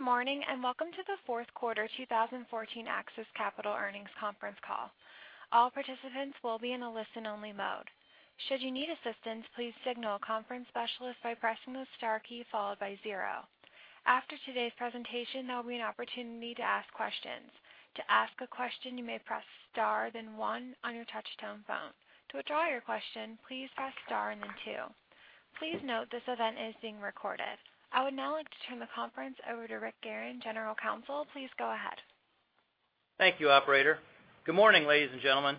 Morning, welcome to the fourth quarter 2014 AXIS Capital earnings conference call. All participants will be in a listen-only mode. Should you need assistance, please signal a conference specialist by pressing the star key followed by 0. After today's presentation, there will be an opportunity to ask questions. To ask a question, you may press star then 1 on your touch-tone phone. To withdraw your question, please press star then 2. Please note this event is being recorded. I would now like to turn the conference over to Rich Gieryn, General Counsel. Please go ahead. Thank you, operator. Good morning, ladies and gentlemen.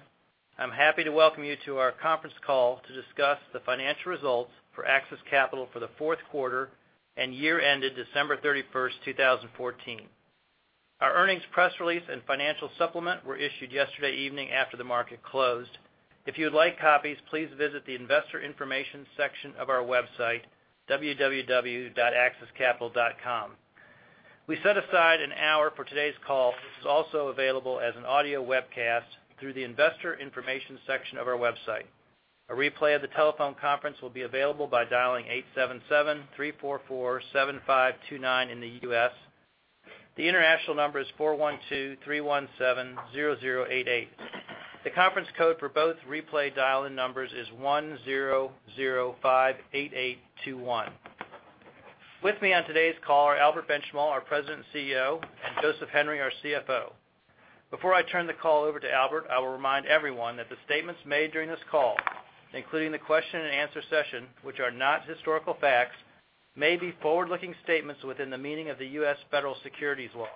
I'm happy to welcome you to our conference call to discuss the financial results for AXIS Capital for the fourth quarter and year-ended December 31, 2014. Our earnings press release and financial supplement were issued yesterday evening after the market closed. If you would like copies, please visit the investor information section of our website, www.axiscapital.com. We set aside an hour for today's call, which is also available as an audio webcast through the investor information section of our website. A replay of the telephone conference will be available by dialing 877-344-7529 in the U.S. The international number is 412-317-0088. The conference code for both replay dial-in numbers is 10058821. With me on today's call are Albert Benchimol, our President and CEO, and Joseph Henry, our CFO. Before I turn the call over to Albert, I will remind everyone that the statements made during this call, including the question and answer session, which are not historical facts, may be forward-looking statements within the meaning of the U.S. federal securities law.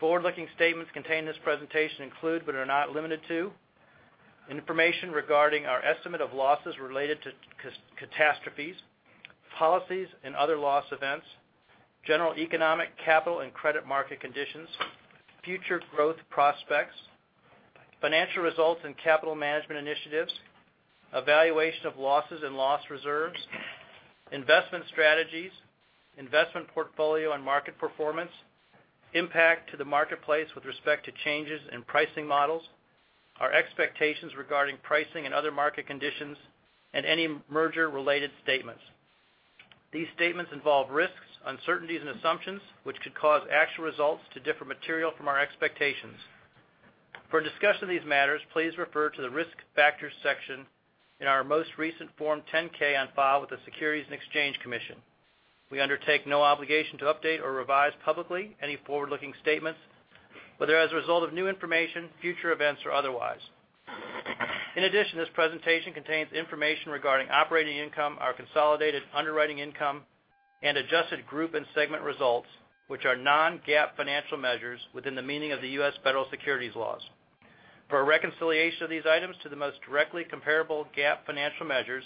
Forward-looking statements contained in this presentation include, but are not limited to, information regarding our estimate of losses related to catastrophes, policies and other loss events, general economic, capital, and credit market conditions, future growth prospects, financial results and capital management initiatives, evaluation of losses and loss reserves, investment strategies, investment portfolio and market performance, impact to the marketplace with respect to changes in pricing models, our expectations regarding pricing and other market conditions, and any merger-related statements. These statements involve risks, uncertainties, and assumptions, which could cause actual results to differ materially from our expectations. For a discussion of these matters, please refer to the risk factors section in our most recent Form 10-K on file with the Securities and Exchange Commission. We undertake no obligation to update or revise publicly any forward-looking statements, whether as a result of new information, future events, or otherwise. In addition, this presentation contains information regarding operating income, our consolidated underwriting income, and adjusted group and segment results, which are non-GAAP financial measures within the meaning of the U.S. federal securities laws. For a reconciliation of these items to the most directly comparable GAAP financial measures,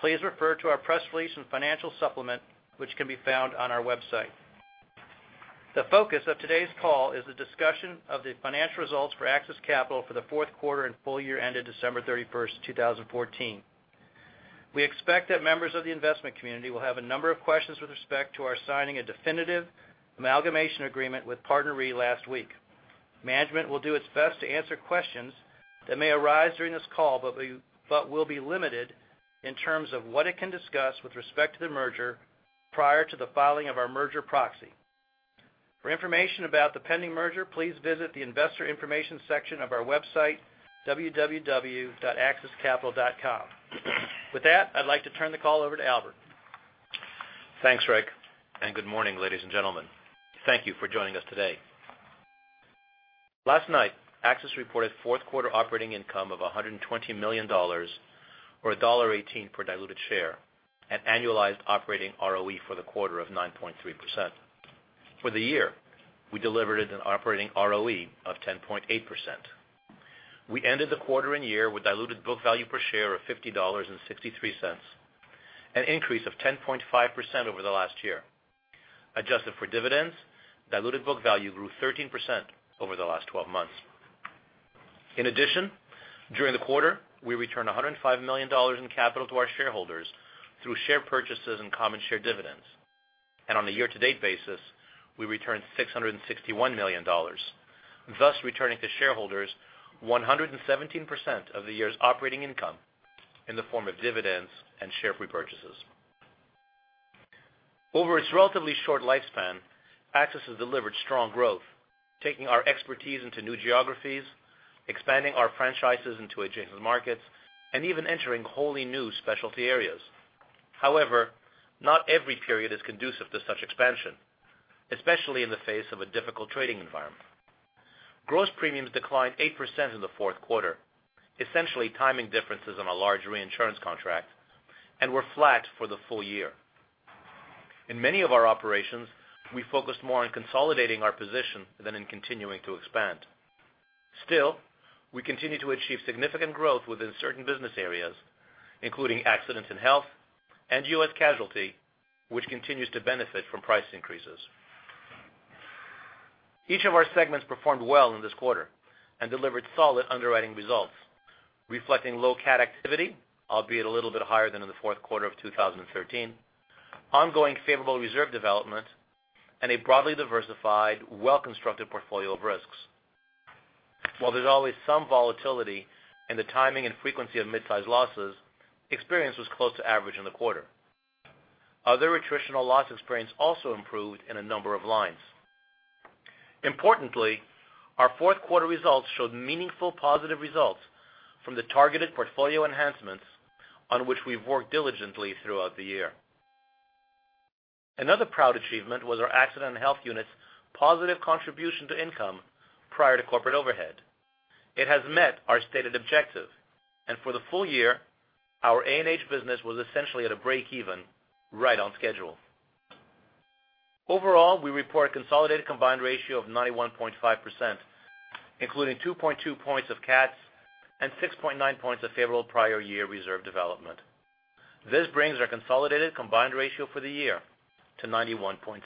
please refer to our press release and financial supplement, which can be found on our website. The focus of today's call is the discussion of the financial results for AXIS Capital for the fourth quarter and full year ended December 31, 2014. We expect that members of the investment community will have a number of questions with respect to our signing a definitive amalgamation agreement with PartnerRe last week. Management will do its best to answer questions that may arise during this call, but will be limited in terms of what it can discuss with respect to the merger prior to the filing of our merger proxy. For information about the pending merger, please visit the investor information section of our website, www.axiscapital.com. With that, I'd like to turn the call over to Albert. Thanks, Rick, and good morning, ladies and gentlemen. Thank you for joining us today. Last night, AXIS reported fourth quarter operating income of $120 million, or $1.18 per diluted share, an annualized operating ROE for the quarter of 9.3%. For the year, we delivered an operating ROE of 10.8%. We ended the quarter and year with diluted book value per share of $50.63, an increase of 10.5% over the last year. Adjusted for dividends, diluted book value grew 13% over the last 12 months. In addition, during the quarter, we returned $105 million in capital to our shareholders through share purchases and common share dividends. On a year-to-date basis, we returned $661 million, thus returning to shareholders 117% of the year's operating income in the form of dividends and share repurchases. Over its relatively short lifespan, AXIS has delivered strong growth, taking our expertise into new geographies, expanding our franchises into adjacent markets, and even entering wholly new specialty areas. However, not every period is conducive to such expansion, especially in the face of a difficult trading environment. Gross premiums declined 8% in the fourth quarter, essentially timing differences on a large reinsurance contract, and were flat for the full year. In many of our operations, we focused more on consolidating our position than in continuing to expand. Still, we continue to achieve significant growth within certain business areas, including Accident & Health and U.S. casualty, which continues to benefit from price increases. Each of our segments performed well in this quarter and delivered solid underwriting results, reflecting low cat activity, albeit a little bit higher than in the fourth quarter of 2013, ongoing favorable reserve development, and a broadly diversified, well-constructed portfolio of risks. While there's always some volatility in the timing and frequency of mid-size losses, experience was close to average in the quarter. Other attritional loss experience also improved in a number of lines. Importantly, our fourth quarter results showed meaningful positive results from the targeted portfolio enhancements on which we've worked diligently throughout the year. Another proud achievement was our Accident & Health unit's positive contribution to income prior to corporate overhead. It has met our stated objective, for the full year, our A&H business was essentially at a break even, right on schedule. Overall, we report a consolidated combined ratio of 91.5%, including 2.2 points of cats and 6.9 points of favorable prior year reserve development. This brings our consolidated combined ratio for the year to 91.6.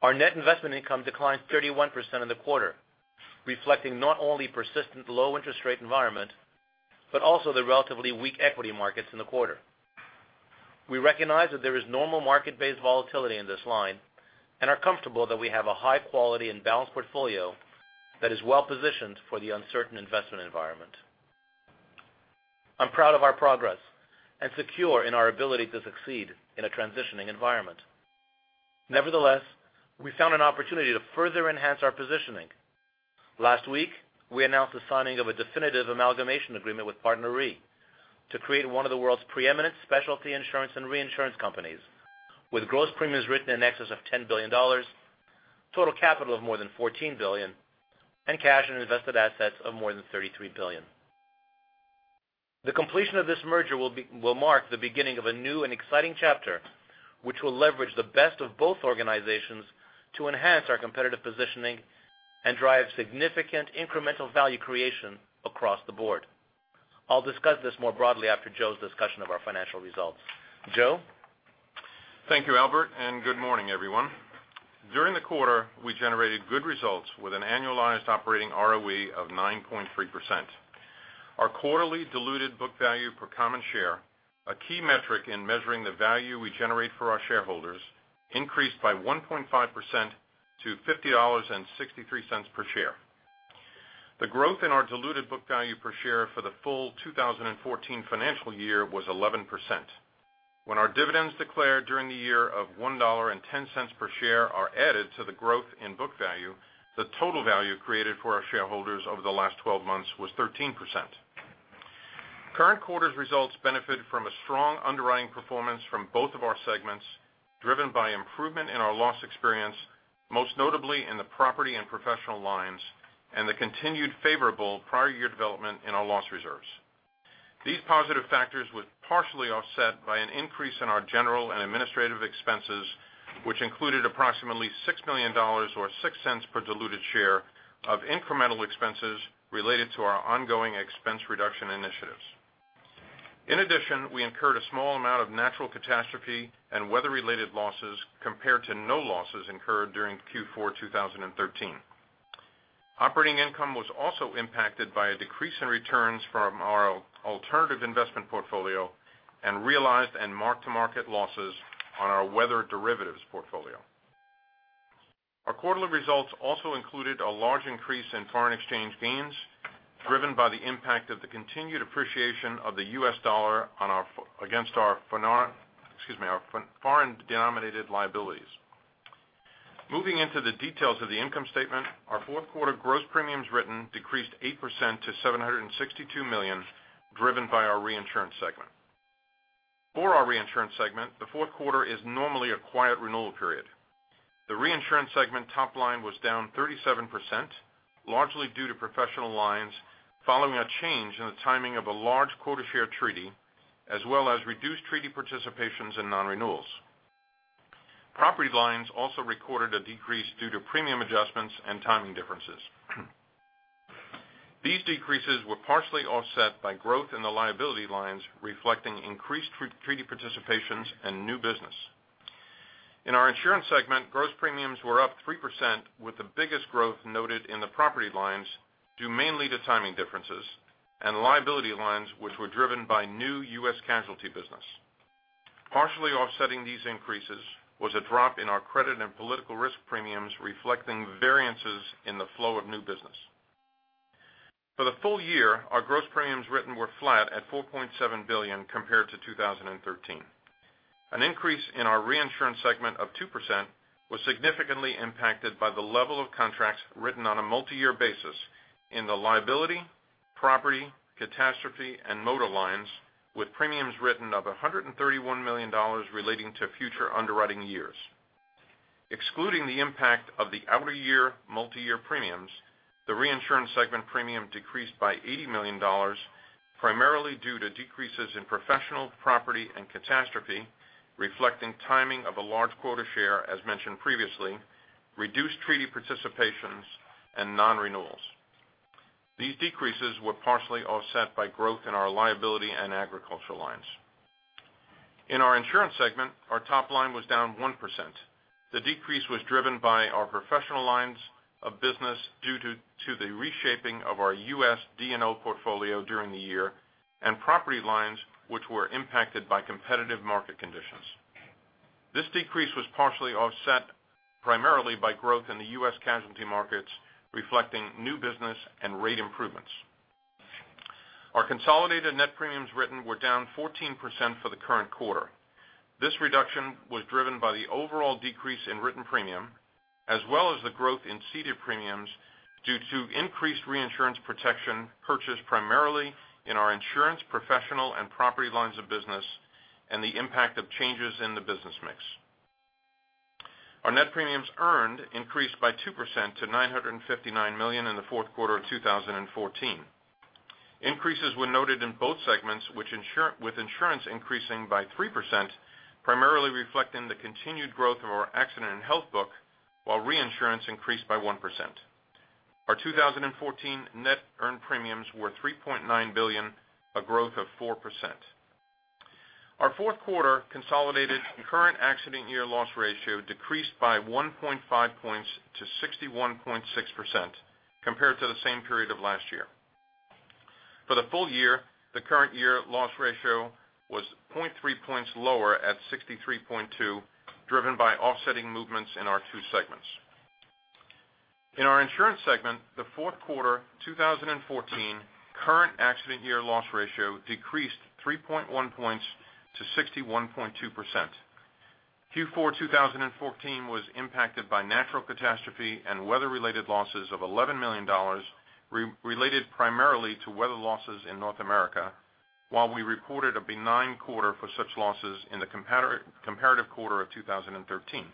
Our net investment income declined 31% in the quarter, reflecting not only persistent low interest rate environment, but also the relatively weak equity markets in the quarter. We recognize that there is normal market-based volatility in this line and are comfortable that we have a high quality and balanced portfolio that is well positioned for the uncertain investment environment. I'm proud of our progress and secure in our ability to succeed in a transitioning environment. Nevertheless, we found an opportunity to further enhance our positioning. Last week, we announced the signing of a definitive amalgamation agreement with PartnerRe to create one of the world's pre-eminent specialty insurance and reinsurance companies, with gross premiums written in excess of $10 billion, total capital of more than $14 billion, and cash and invested assets of more than $33 billion. The completion of this merger will mark the beginning of a new and exciting chapter, which will leverage the best of both organizations to enhance our competitive positioning and drive significant incremental value creation across the board. I'll discuss this more broadly after Joe's discussion of our financial results. Joe? Thank you, Albert, and good morning, everyone. During the quarter, we generated good results with an annualized operating ROE of 9.3%. Our quarterly diluted book value per common share, a key metric in measuring the value we generate for our shareholders, increased by 1.5% to $50.63 per share. The growth in our diluted book value per share for the full 2014 financial year was 11%. When our dividends declared during the year of $1.10 per share are added to the growth in book value, the total value created for our shareholders over the last 12 months was 13%. Current quarter's results benefited from a strong underwriting performance from both of our segments, driven by improvement in our loss experience, most notably in the property and professional lines, and the continued favorable prior year development in our loss reserves. These positive factors were partially offset by an increase in our general and administrative expenses, which included approximately $6 million, or $0.06 per diluted share, of incremental expenses related to our ongoing expense reduction initiatives. In addition, we incurred a small amount of natural catastrophe and weather-related losses compared to no losses incurred during Q4 2013. Operating income was also impacted by a decrease in returns from our alternative investment portfolio and realized and mark-to-market losses on our weather derivatives portfolio. Our quarterly results also included a large increase in foreign exchange gains, driven by the impact of the continued appreciation of the US dollar against our foreign-denominated liabilities. Moving into the details of the income statement, our fourth quarter gross premiums written decreased 8% to $762 million, driven by our reinsurance segment. For our reinsurance segment, the fourth quarter is normally a quiet renewal period. The reinsurance segment top line was down 37%, largely due to professional lines following a change in the timing of a large quota share treaty, as well as reduced treaty participations and non-renewals. Property lines also recorded a decrease due to premium adjustments and timing differences. These decreases were partially offset by growth in the liability lines, reflecting increased treaty participations and new business. In our insurance segment, gross premiums were up 3%, with the biggest growth noted in the property lines, due mainly to timing differences, and liability lines, which were driven by new U.S. casualty business. Partially offsetting these increases was a drop in our credit and political risk premiums, reflecting variances in the flow of new business. For the full year, our gross premiums written were flat at $4.7 billion compared to 2013. An increase in our reinsurance segment of 2% was significantly impacted by the level of contracts written on a multi-year basis in the liability, property, catastrophe, and motor lines, with premiums written of $131 million relating to future underwriting years. Excluding the impact of the out-of-year, multi-year premiums, the reinsurance segment premium decreased by $80 million, primarily due to decreases in professional, property, and catastrophe, reflecting timing of a large quota share, as mentioned previously, reduced treaty participations, and non-renewals. These decreases were partially offset by growth in our liability and agricultural lines. In our insurance segment, our top line was down 1%. The decrease was driven by our professional lines of business due to the reshaping of our U.S. D&O portfolio during the year and property lines, which were impacted by competitive market conditions. This decrease was partially offset primarily by growth in the U.S. casualty markets, reflecting new business and rate improvements. Our consolidated net premiums written were down 14% for the current quarter. This reduction was driven by the overall decrease in written premium, as well as the growth in ceded premiums due to increased reinsurance protection purchased primarily in our insurance, professional, and property lines of business, and the impact of changes in the business mix. Our net premiums earned increased by 2% to $959 million in the fourth quarter of 2014. Increases were noted in both segments, with insurance increasing by 3%, primarily reflecting the continued growth of our accident and health book, while reinsurance increased by 1%. Our 2014 net earned premiums were $3.9 billion, a growth of 4%. Our fourth quarter consolidated current accident year loss ratio decreased by 1.5 points to 61.6% compared to the same period of last year. For the full year, the current year loss ratio was 0.3 points lower at 63.2%, driven by offsetting movements in our two segments. In our insurance segment, the fourth quarter 2014 current accident year loss ratio decreased 3.1 points to 61.2%. Q4 2014 was impacted by natural catastrophe and weather-related losses of $11 million related primarily to weather losses in North America, while we reported a benign quarter for such losses in the comparative quarter of 2013.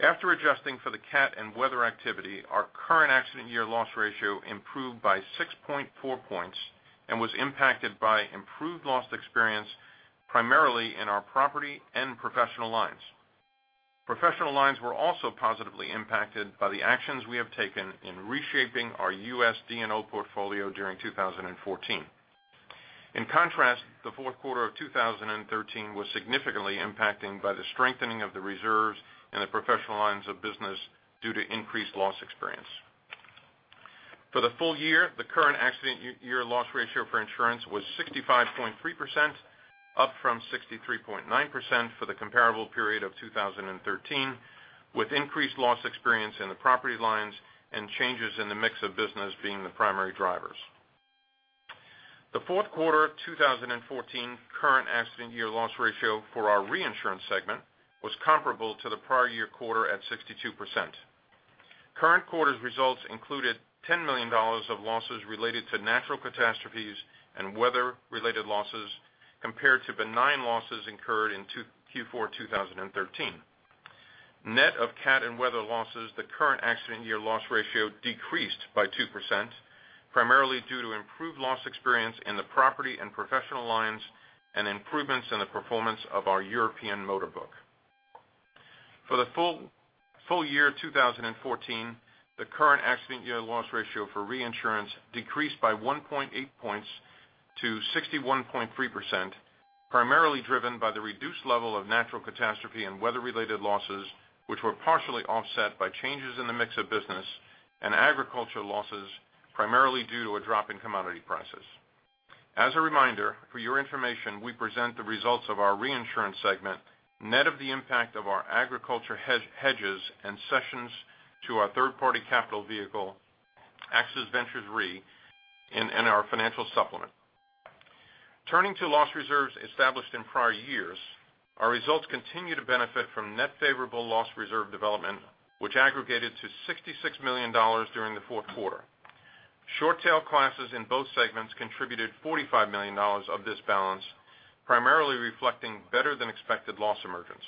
After adjusting for the cat and weather activity, our current accident year loss ratio improved by 6.4 points and was impacted by improved loss experience, primarily in our property and professional lines. Professional lines were also positively impacted by the actions we have taken in reshaping our U.S. D&O portfolio during 2014. In contrast, the fourth quarter of 2013 was significantly impacted by the strengthening of the reserves in the professional lines of business due to increased loss experience. For the full year, the current accident year loss ratio for insurance was 65.3%, up from 63.9% for the comparable period of 2013, with increased loss experience in the property lines and changes in the mix of business being the primary drivers. The fourth quarter 2014 current accident year loss ratio for our reinsurance segment was comparable to the prior year quarter at 62%. Current quarter's results included $10 million of losses related to natural catastrophes and weather-related losses, compared to benign losses incurred in Q4 2013. Net of cat and weather losses, the current accident year loss ratio decreased by 2%, primarily due to improved loss experience in the property and professional lines, and improvements in the performance of our European motor book. For the full year 2014, the current accident year loss ratio for reinsurance decreased by 1.8 points to 61.3%, primarily driven by the reduced level of natural catastrophe and weather-related losses, which were partially offset by changes in the mix of business and agriculture losses, primarily due to a drop in commodity prices. As a reminder, for your information, we present the results of our reinsurance segment, net of the impact of our agriculture hedges and cessions to our third-party capital vehicle, AXIS Ventures Re, in our financial supplement. Turning to loss reserves established in prior years, our results continue to benefit from net favorable loss reserve development, which aggregated to $66 million during the fourth quarter. Short tail classes in both segments contributed $45 million of this balance, primarily reflecting better than expected loss emergence.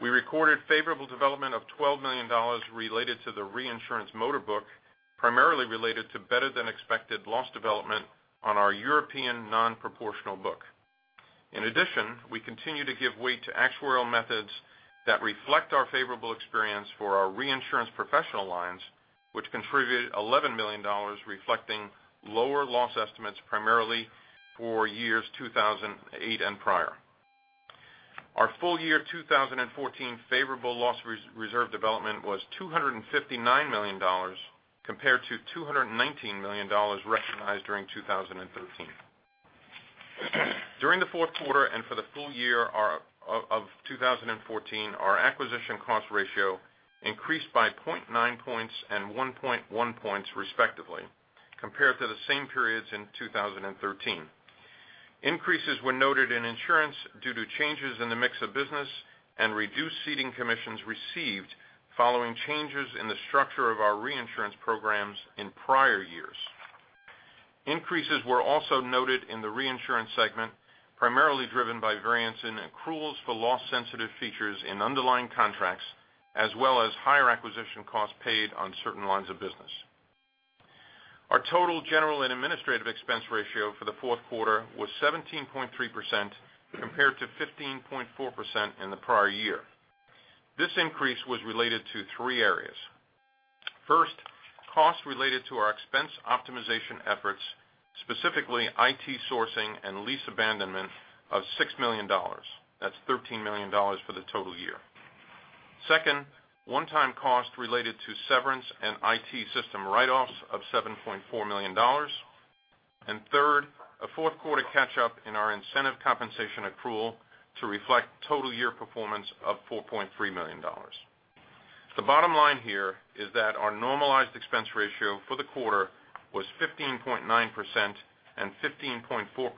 We recorded favorable development of $12 million related to the reinsurance motor book, primarily related to better than expected loss development on our European non-proportional book. In addition, we continue to give weight to actuarial methods that reflect our favorable experience for our reinsurance professional lines, which contributed $11 million, reflecting lower loss estimates primarily for years 2008 and prior. Our full year 2014 favorable loss reserve development was $259 million, compared to $219 million recognized during 2013. During the fourth quarter and for the full year of 2014, our acquisition cost ratio increased by 0.9 points and 1.1 points respectively, compared to the same periods in 2013. Increases were noted in insurance due to changes in the mix of business and reduced ceding commissions received following changes in the structure of our reinsurance programs in prior years. Increases were also noted in the reinsurance segment, primarily driven by variance in accruals for loss sensitive features in underlying contracts, as well as higher acquisition costs paid on certain lines of business. Our total general and administrative expense ratio for the fourth quarter was 17.3% compared to 15.4% in the prior year. This increase was related to three areas. First, costs related to our expense optimization efforts, specifically IT sourcing and lease abandonment of $6 million. That's $13 million for the total year. Second, one-time cost related to severance and IT system write-offs of $7.4 million. Third, a fourth quarter catch-up in our incentive compensation accrual to reflect total year performance of $4.3 million. The bottom line here is that our normalized expense ratio for the quarter was 15.9% and 15.4% for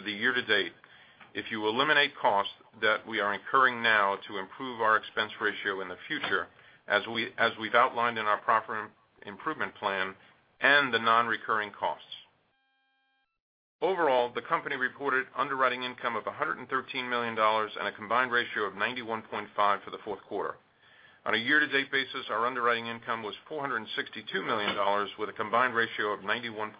the year-to-date if you eliminate costs that we are incurring now to improve our expense ratio in the future, as we've outlined in our profit improvement plan and the non-recurring costs. Overall, the company reported underwriting income of $113 million and a combined ratio of 91.5% for the fourth quarter. On a year-to-date basis, our underwriting income was $462 million, with a combined ratio of 91.6%.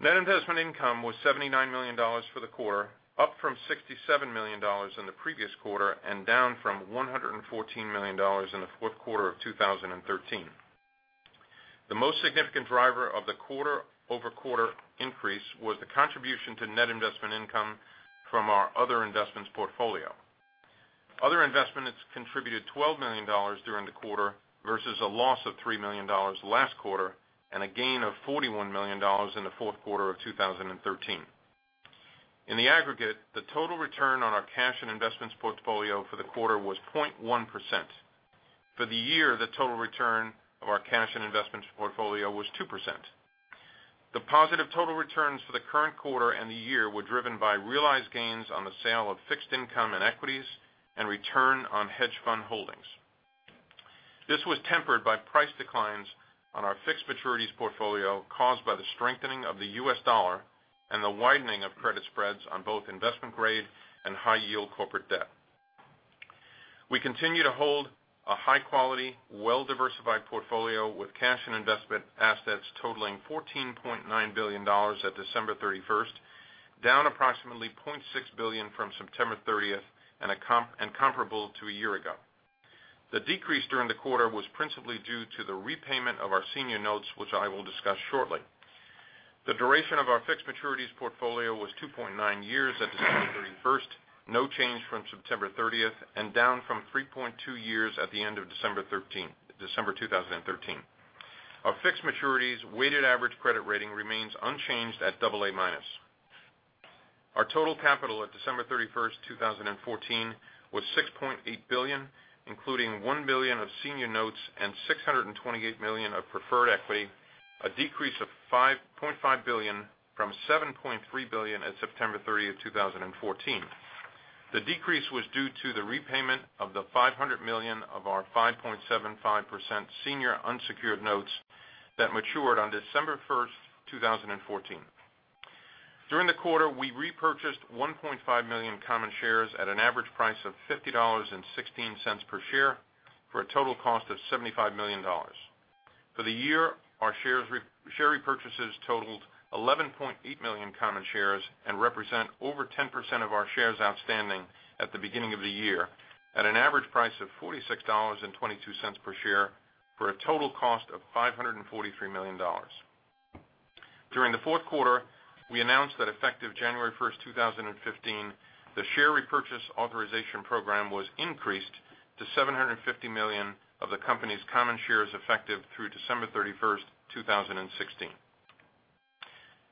Net investment income was $79 million for the quarter, up from $67 million in the previous quarter, and down from $114 million in the fourth quarter of 2013. The most significant driver of the quarter-over-quarter increase was the contribution to net investment income from our other investments portfolio. Other investments contributed $12 million during the quarter versus a loss of $3 million last quarter and a gain of $41 million in the fourth quarter of 2013. In the aggregate, the total return on our cash and investments portfolio for the quarter was 0.1%. For the year, the total return of our cash and investments portfolio was 2%. The positive total returns for the current quarter and the year were driven by realized gains on the sale of fixed income and equities and return on hedge fund holdings. This was tempered by price declines on our fixed maturities portfolio caused by the strengthening of the U.S. dollar and the widening of credit spreads on both investment grade and high yield corporate debt. We continue to hold a high-quality, well-diversified portfolio with cash and investment assets totaling $14.9 billion at December 31st, down approximately $0.6 billion from September 30th, and comparable to a year ago. The decrease during the quarter was principally due to the repayment of our senior notes, which I will discuss shortly. The duration of our fixed maturities portfolio was 2.9 years at December 31st, no change from September 30th, and down from 3.2 years at the end of December 2013. Our fixed maturities weighted average credit rating remains unchanged at AA-. Our total capital at December 31st, 2014, was $6.8 billion, including $1 billion of senior notes and $628 million of preferred equity, a decrease of $5.5 billion from $7.3 billion at September 30th, 2014. The decrease was due to the repayment of the $500 million of our 5.75% senior unsecured notes that matured on December 1st, 2014. During the quarter, we repurchased 1.5 million common shares at an average price of $50.16 per share for a total cost of $75 million. For the year, our share repurchases totaled 11.8 million common shares and represent over 10% of our shares outstanding at the beginning of the year at an average price of $46.22 per share for a total cost of $543 million. During the fourth quarter, we announced that effective January 1st, 2015, the share repurchase authorization program was increased to $750 million of the company's common shares effective through December 31st, 2016.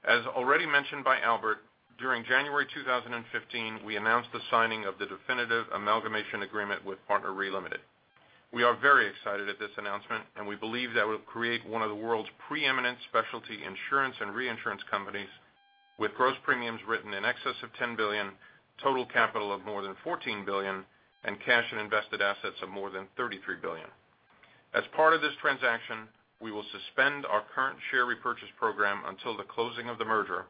As already mentioned by Albert, during January 2015, we announced the signing of the definitive amalgamation agreement with PartnerRe Ltd. We are very excited at this announcement, we believe that will create one of the world's preeminent specialty insurance and reinsurance companies with gross premiums written in excess of $10 billion, total capital of more than $14 billion, and cash and invested assets of more than $33 billion. As part of this transaction, we will suspend our current share repurchase program until the closing of the merger.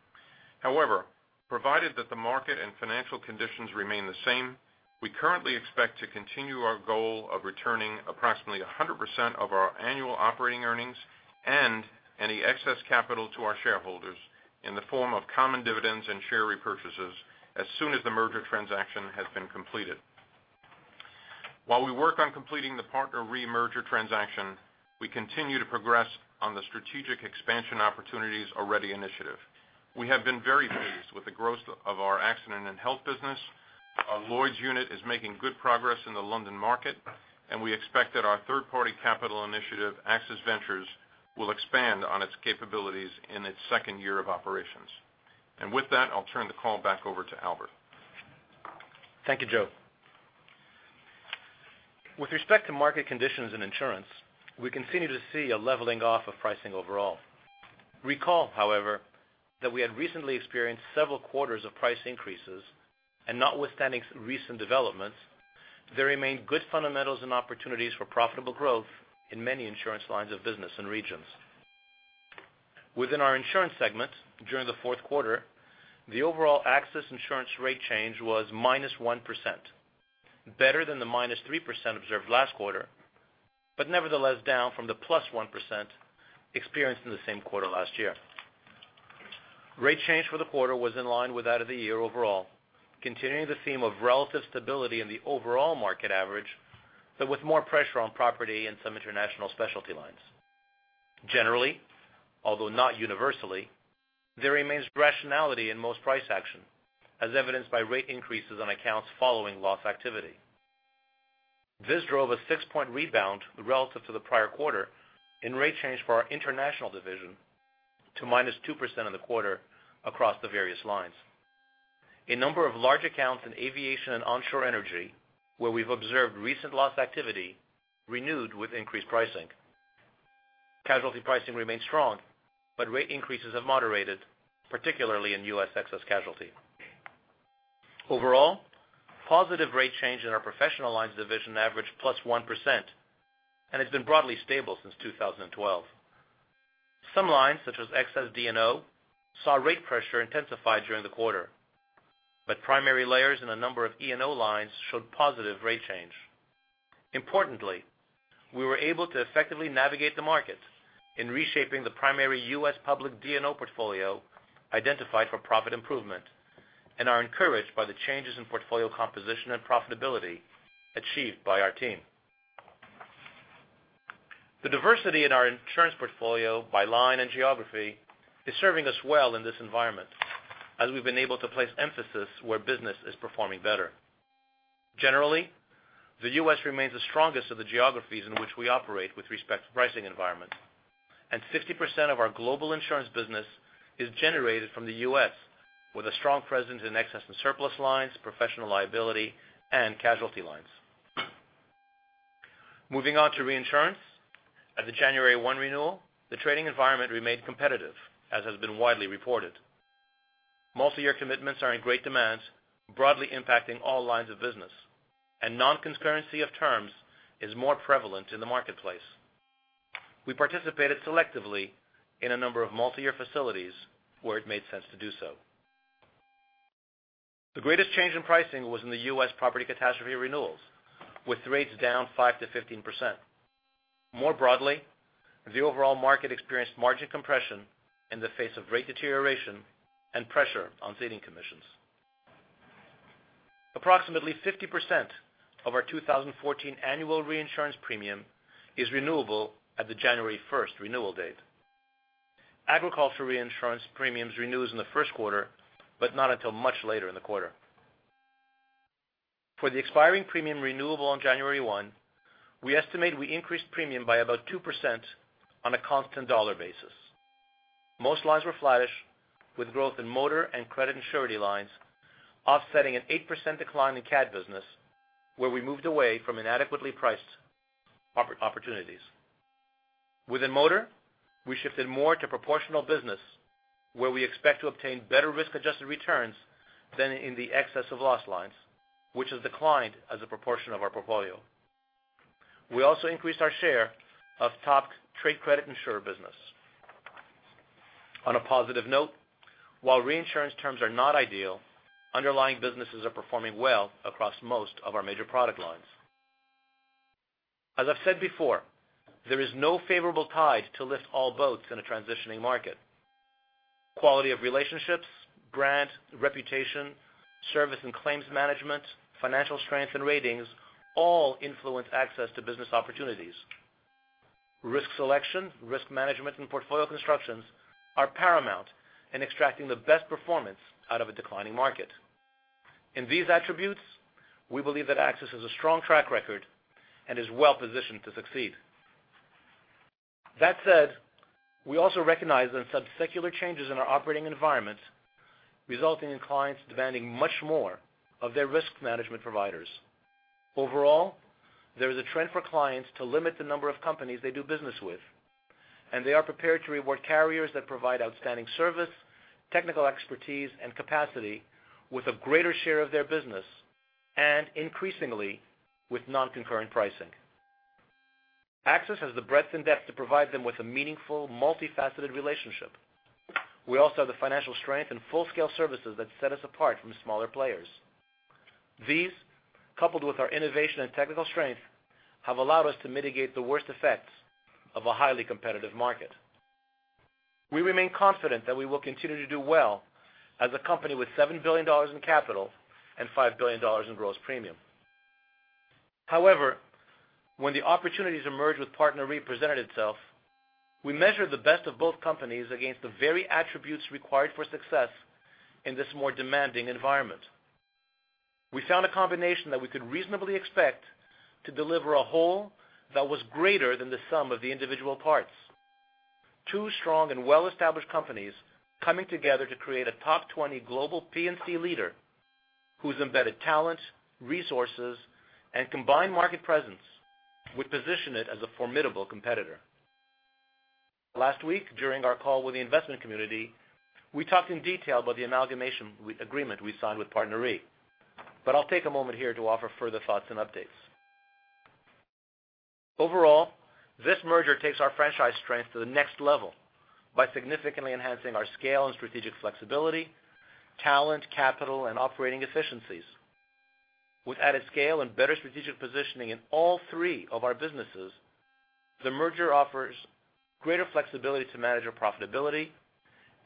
However, provided that the market and financial conditions remain the same, we currently expect to continue our goal of returning approximately 100% of our annual operating earnings and any excess capital to our shareholders in the form of common dividends and share repurchases as soon as the merger transaction has been completed. While we work on completing the PartnerRe merger transaction, we continue to progress on the strategic expansion opportunities already initiated. We have been very pleased with the growth of our Accident & Health business. Our Lloyd's unit is making good progress in the London market, we expect that our third-party capital initiative, AXIS Ventures, will expand on its capabilities in its second year of operations. With that, I'll turn the call back over to Albert. Thank you, Joe. With respect to market conditions and insurance, we continue to see a leveling off of pricing overall. Recall, however, that we had recently experienced several quarters of price increases, notwithstanding recent developments, there remain good fundamentals and opportunities for profitable growth in many insurance lines of business and regions. Within our insurance segment, during the fourth quarter, the overall AXIS insurance rate change was -1%, better than the -3% observed last quarter, nevertheless down from the +1% experienced in the same quarter last year. Rate change for the quarter was in line with that of the year overall, continuing the theme of relative stability in the overall market average, with more pressure on property and some international specialty lines. Generally, although not universally, there remains rationality in most price action, as evidenced by rate increases on accounts following loss activity. This drove a six-point rebound relative to the prior quarter in rate change for our international division to -2% in the quarter across the various lines. A number of large accounts in aviation and onshore energy, where we've observed recent loss activity, renewed with increased pricing. Casualty pricing remains strong, rate increases have moderated, particularly in U.S. excess casualty. Overall, positive rate change in our professional lines division averaged +1% and has been broadly stable since 2012. Some lines, such as excess D&O, saw rate pressure intensify during the quarter, primary layers in a number of E&O lines showed positive rate change. Importantly, we were able to effectively navigate the market in reshaping the primary U.S. public D&O portfolio identified for profit improvement and are encouraged by the changes in portfolio composition and profitability achieved by our team. The diversity in our insurance portfolio by line and geography is serving us well in this environment, as we've been able to place emphasis where business is performing better. Generally, the U.S. remains the strongest of the geographies in which we operate with respect to pricing environment, 60% of our global insurance business is generated from the U.S., with a strong presence in Excess and Surplus Lines, professional liability, and casualty lines. Moving on to reinsurance. At the January 1 renewal, the trading environment remained competitive, as has been widely reported. Multi-year commitments are in great demand, broadly impacting all lines of business, non-concurrency of terms is more prevalent in the marketplace. We participated selectively in a number of multi-year facilities where it made sense to do so. The greatest change in pricing was in the U.S. property catastrophe renewals, with rates down 5%-15%. More broadly, the overall market experienced margin compression in the face of rate deterioration and pressure on ceding commissions. Approximately 50% of our 2014 annual reinsurance premium is renewable at the January 1st renewal date. Agriculture reinsurance premiums renews in the first quarter, but not until much later in the quarter. For the expiring premium renewable on January 1, we estimate we increased premium by about 2% on a constant dollar basis. Most lines were flattish, with growth in motor and credit and surety lines offsetting an 8% decline in cat business, where we moved away from inadequately priced opportunities. Within motor, we shifted more to proportional business, where we expect to obtain better risk-adjusted returns than in the excess of loss lines, which has declined as a proportion of our portfolio. We also increased our share of top trade credit insurer business. On a positive note, while reinsurance terms are not ideal, underlying businesses are performing well across most of our major product lines. As I've said before, there is no favorable tide to lift all boats in a transitioning market. Quality of relationships, brand, reputation, service and claims management, financial strength and ratings all influence access to business opportunities. Risk selection, risk management, and portfolio constructions are paramount in extracting the best performance out of a declining market. In these attributes, we believe that AXIS has a strong track record and is well-positioned to succeed. That said, we also recognize sub-secular changes in our operating environment resulting in clients demanding much more of their risk management providers. Overall, there is a trend for clients to limit the number of companies they do business with, they are prepared to reward carriers that provide outstanding service, technical expertise, and capacity with a greater share of their business increasingly with non-concurrent pricing. AXIS has the breadth and depth to provide them with a meaningful, multifaceted relationship. We also have the financial strength and full-scale services that set us apart from smaller players. These, coupled with our innovation and technical strength, have allowed us to mitigate the worst effects of a highly competitive market. We remain confident that we will continue to do well as a company with $7 billion in capital and $5 billion in gross premium. When the opportunities emerged with PartnerRe presented itself, we measured the best of both companies against the very attributes required for success in this more demanding environment. We found a combination that we could reasonably expect to deliver a whole that was greater than the sum of the individual parts. Two strong and well-established companies coming together to create a top 20 global P&C leader whose embedded talent, resources, and combined market presence would position it as a formidable competitor. Last week, during our call with the investment community, we talked in detail about the amalgamation agreement we signed with PartnerRe. I'll take a moment here to offer further thoughts and updates. Overall, this merger takes our franchise strength to the next level by significantly enhancing our scale and strategic flexibility, talent, capital, and operating efficiencies. With added scale and better strategic positioning in all three of our businesses, the merger offers greater flexibility to manage our profitability.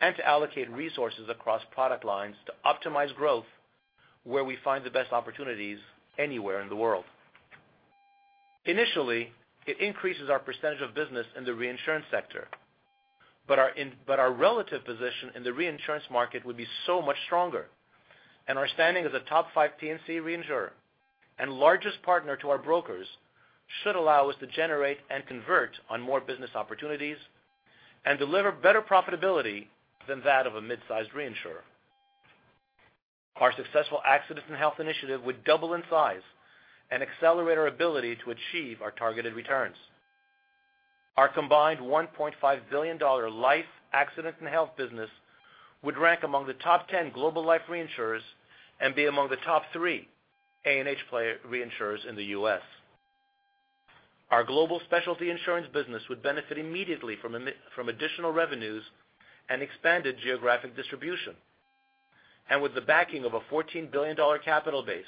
To allocate resources across product lines to optimize growth where we find the best opportunities anywhere in the world. Initially, it increases our percentage of business in the reinsurance sector, but our relative position in the reinsurance market would be so much stronger and our standing as a top five P&C reinsurer and largest partner to our brokers should allow us to generate and convert on more business opportunities and deliver better profitability than that of a mid-sized reinsurer. Our successful Accident & Health initiative would double in size and accelerate our ability to achieve our targeted returns. Our combined $1.5 billion life, Accident & Health business would rank among the top 10 global life reinsurers and be among the top three A&H player reinsurers in the U.S. Our global specialty insurance business would benefit immediately from additional revenues and expanded geographic distribution. With the backing of a $14 billion capital base,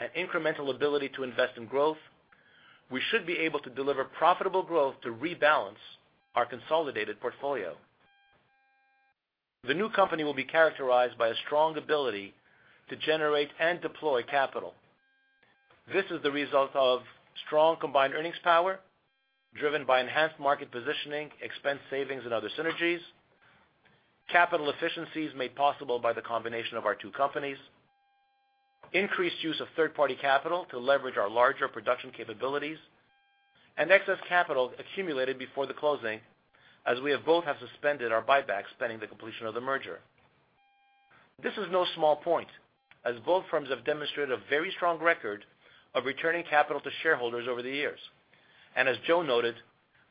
an incremental ability to invest in growth, we should be able to deliver profitable growth to rebalance our consolidated portfolio. The new company will be characterized by a strong ability to generate and deploy capital. This is the result of strong combined earnings power driven by enhanced market positioning, expense savings, and other synergies. Capital efficiencies made possible by the combination of our two companies. Increased use of third-party capital to leverage our larger production capabilities. Excess capital accumulated before the closing, as we both have suspended our buyback pending the completion of the merger. This is no small point, as both firms have demonstrated a very strong record of returning capital to shareholders over the years. As Joe noted,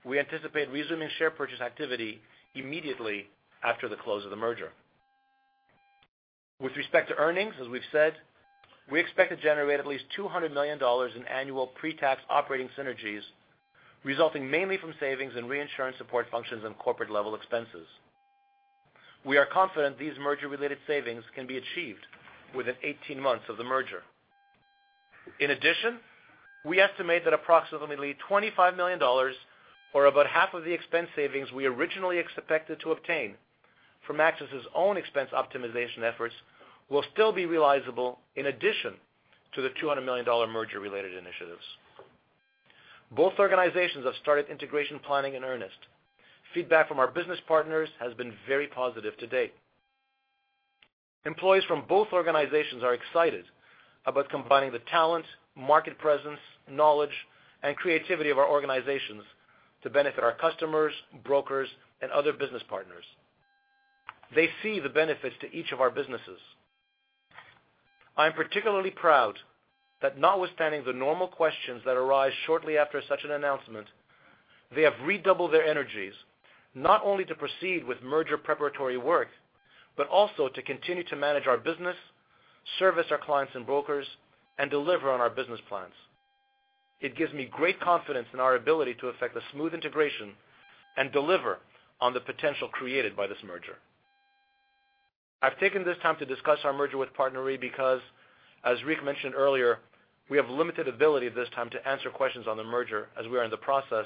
we anticipate resuming share purchase activity immediately after the close of the merger. With respect to earnings, as we've said, we expect to generate at least $200 million in annual pre-tax operating synergies, resulting mainly from savings and reinsurance support functions and corporate-level expenses. We are confident these merger-related savings can be achieved within 18 months of the merger. In addition, we estimate that approximately $25 million, or about half of the expense savings we originally expected to obtain from AXIS's own expense optimization efforts will still be realizable in addition to the $200 million merger-related initiatives. Both organizations have started integration planning in earnest. Feedback from our business partners has been very positive to date. Employees from both organizations are excited about combining the talent, market presence, knowledge, and creativity of our organizations to benefit our customers, brokers, and other business partners. They see the benefits to each of our businesses. I am particularly proud that notwithstanding the normal questions that arise shortly after such an announcement, they have redoubled their energies, not only to proceed with merger preparatory work, but also to continue to manage our business, service our clients and brokers, and deliver on our business plans. It gives me great confidence in our ability to effect a smooth integration and deliver on the potential created by this merger. I've taken this time to discuss our merger with PartnerRe because, as Rick mentioned earlier, we have limited ability at this time to answer questions on the merger as we are in the process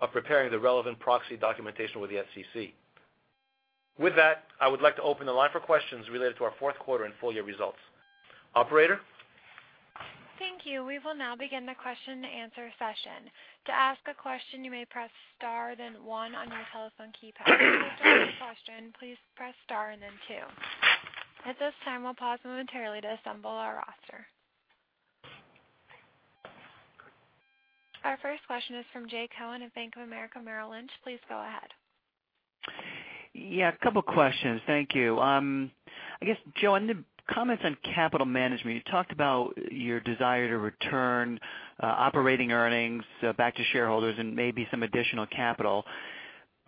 of preparing the relevant proxy documentation with the SEC. I would like to open the line for questions related to our fourth quarter and full-year results. Operator? Thank you. We will now begin the question and answer session. To ask a question, you may press star then one on your telephone keypad. To withdraw your question, please press star and then two. At this time, we'll pause momentarily to assemble our roster. Our first question is from Jay Cohen of Bank of America Merrill Lynch. Please go ahead. Yeah, a couple of questions. Thank you. I guess, Joe, on the comments on capital management, you talked about your desire to return operating earnings back to shareholders and maybe some additional capital.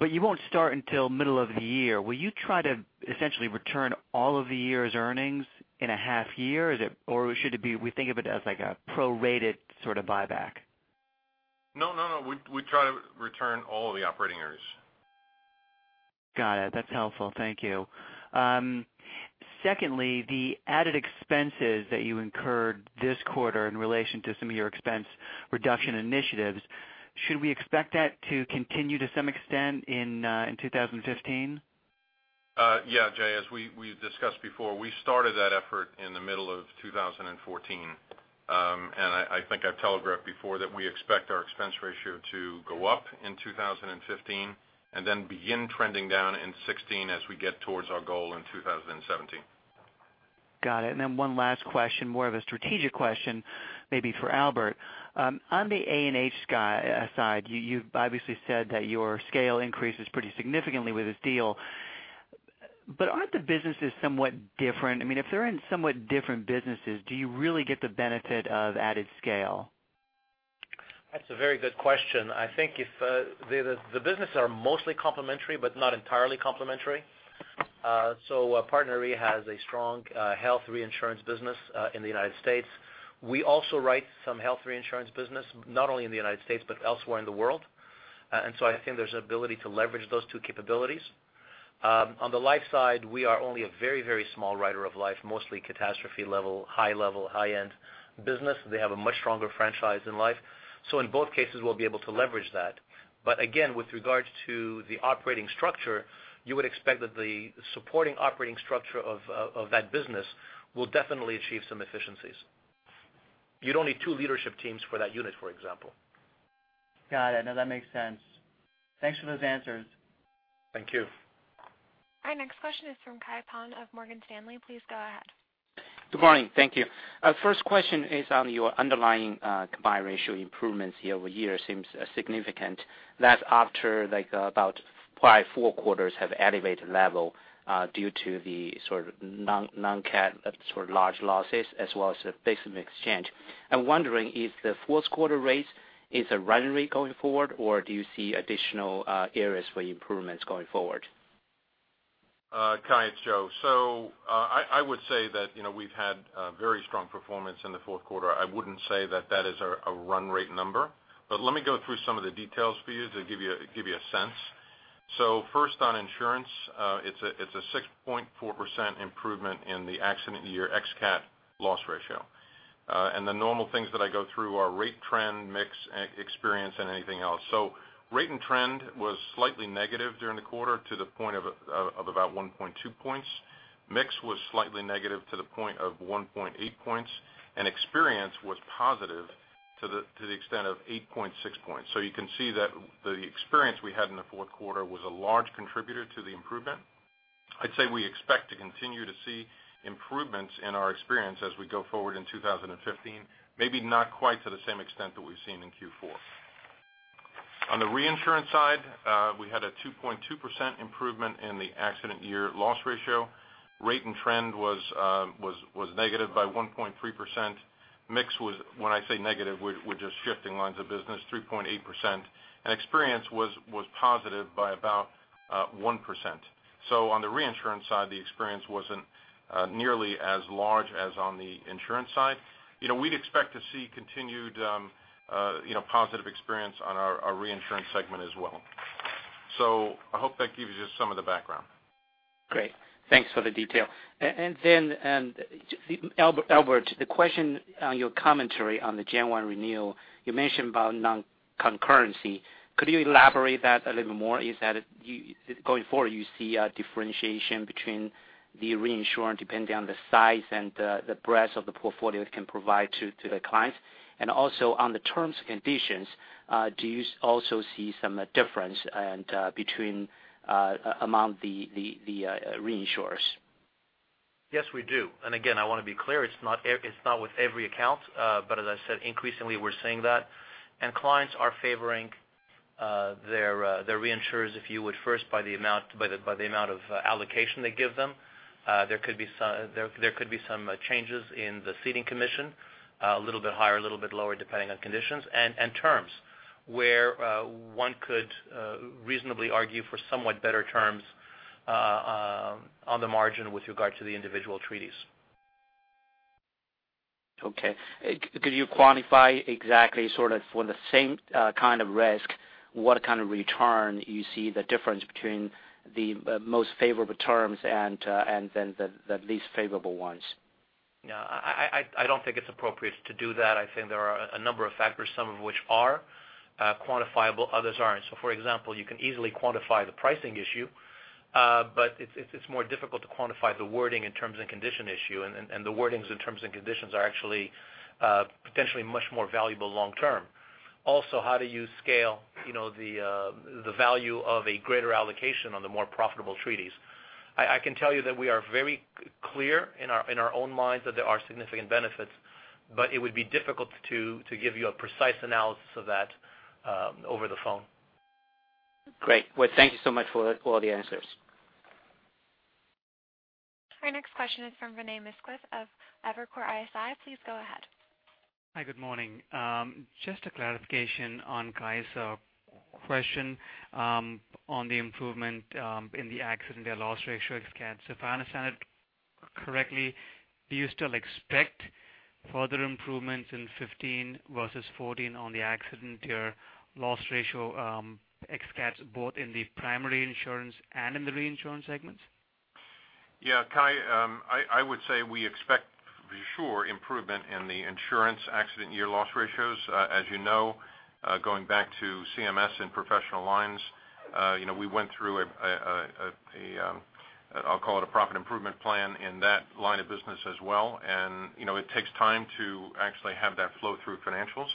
You won't start until middle of the year. Will you try to essentially return all of the year's earnings in a half year? Or should we think of it as like a prorated sort of buyback? No, we try to return all of the operating earnings. Got it. That's helpful. Thank you. Secondly, the added expenses that you incurred this quarter in relation to some of your expense reduction initiatives, should we expect that to continue to some extent in 2015? Yeah, Jay, as we've discussed before, we started that effort in the middle of 2014. I think I've telegraphed before that we expect our expense ratio to go up in 2015 and then begin trending down in 2016 as we get towards our goal in 2017. Got it. Then one last question, more of a strategic question maybe for Albert. On the A&H side, you've obviously said that your scale increases pretty significantly with this deal. Aren't the businesses somewhat different? I mean, if they're in somewhat different businesses, do you really get the benefit of added scale? That's a very good question. I think the businesses are mostly complementary, but not entirely complementary. PartnerRe has a strong health reinsurance business in the United States. We also write some health reinsurance business, not only in the United States but elsewhere in the world. I think there's an ability to leverage those two capabilities. On the life side, we are only a very small writer of life, mostly catastrophe level, high level, high-end business. They have a much stronger franchise in life. In both cases, we'll be able to leverage that. Again, with regards to the operating structure, you would expect that the supporting operating structure of that business will definitely achieve some efficiencies. You'd only need two leadership teams for that unit, for example. Got it. That makes sense. Thanks for those answers. Thank you. Our next question is from Kai Pan of Morgan Stanley. Please go ahead. Good morning. Thank you. First question is on your underlying combined ratio improvements year-over-year seems significant. That's after about probably four quarters have elevated level due to the sort of non-CAT sort of large losses, as well as the basis expansion. I'm wondering if the fourth quarter rates is a run rate going forward, or do you see additional areas for improvements going forward? Kai, it's Joe. I would say that we've had a very strong performance in the fourth quarter. I wouldn't say that that is a run rate number. Let me go through some of the details for you to give you a sense. First on insurance, it's a 6.4% improvement in the accident year ex-CAT loss ratio. The normal things that I go through are rate trend, mix, experience, and anything else. Rate and trend was slightly negative during the quarter to the point of about 1.2 points. Mix was slightly negative to the point of 1.8 points, and experience was positive to the extent of 8.6 points. You can see that the experience we had in the fourth quarter was a large contributor to the improvement. I'd say we expect to continue to see improvements in our experience as we go forward in 2015, maybe not quite to the same extent that we've seen in Q4. On the reinsurance side, we had a 2.2% improvement in the accident year loss ratio. Rate and trend was negative by 1.3%. Mix was, when I say negative, we're just shifting lines of business, 3.8%. Experience was positive by about 1%. On the reinsurance side, the experience wasn't nearly as large as on the insurance side. We'd expect to see continued positive experience on our reinsurance segment as well. I hope that gives you just some of the background. Great. Thanks for the detail. Albert, the question on your commentary on the Jan 1 renewal, you mentioned about non-concurrency. Could you elaborate that a little more? Is that going forward, you see a differentiation between the reinsurance depending on the size and the breadth of the portfolio it can provide to the clients? On the terms and conditions, do you also see some difference between among the reinsurers? Yes, we do. Again, I want to be clear, it's not with every account. As I said, increasingly, we're seeing that. Clients are favoring their reinsurers, if you would first, by the amount of allocation they give them. There could be some changes in the ceding commission, a little bit higher, a little bit lower, depending on conditions, and terms, where one could reasonably argue for somewhat better terms on the margin with regard to the individual treaties. Okay. Could you quantify exactly sort of for the same kind of risk, what kind of return you see the difference between the most favorable terms and then the least favorable ones? I don't think it's appropriate to do that. I think there are a number of factors, some of which are quantifiable, others aren't. For example, you can easily quantify the pricing issue, but it's more difficult to quantify the wording and terms and condition issue, the wordings and terms and conditions are actually potentially much more valuable long term. How do you scale the value of a greater allocation on the more profitable treaties? I can tell you that we are very clear in our own minds that there are significant benefits, but it would be difficult to give you a precise analysis of that over the phone. Great. Thank you so much for all the answers. Our next question is from Vinay Misquith of Evercore ISI. Please go ahead. Hi, good morning. Just a clarification on Kai's question on the improvement in the accident year loss ratio ex-CAT. If I understand it correctly, do you still expect further improvements in 2015 versus 2014 on the accident year loss ratio ex-CAT, both in the primary insurance and in the reinsurance segments? Yeah, Kai, I would say we expect for sure improvement in the insurance accident year loss ratios. As you know, going back to CMS and professional lines, we went through a, I'll call it a profit improvement plan in that line of business as well. It takes time to actually have that flow through financials.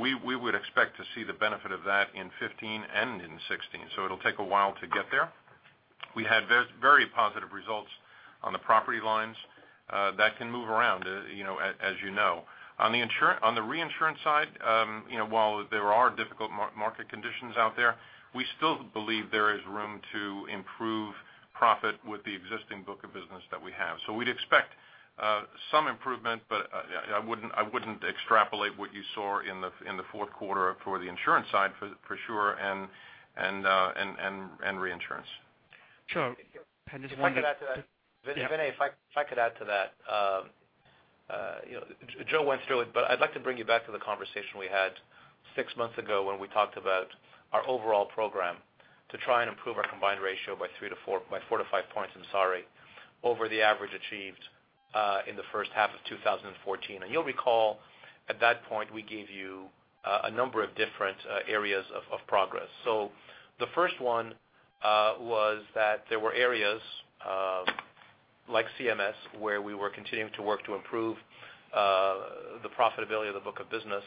We would expect to see the benefit of that in 2015 and in 2016. It'll take a while to get there. We had very positive results on the property lines. That can move around, as you know. On the reinsurance side, while there are difficult market conditions out there, we still believe there is room to improve profit with the existing book of business that we have. We'd expect some improvement, but I wouldn't extrapolate what you saw in the fourth quarter for the insurance side for sure and reinsurance. Sure. I just wondered If I could add to that. Rene, if I could add to that. Joe went through it, but I'd like to bring you back to the conversation we had six months ago when we talked about our overall program to try and improve our combined ratio by four to five points over the average achieved in the first half of 2014. You'll recall, at that point, we gave you a number of different areas of progress. The first one was that there were areas like CMS, where we were continuing to work to improve the profitability of the book of business.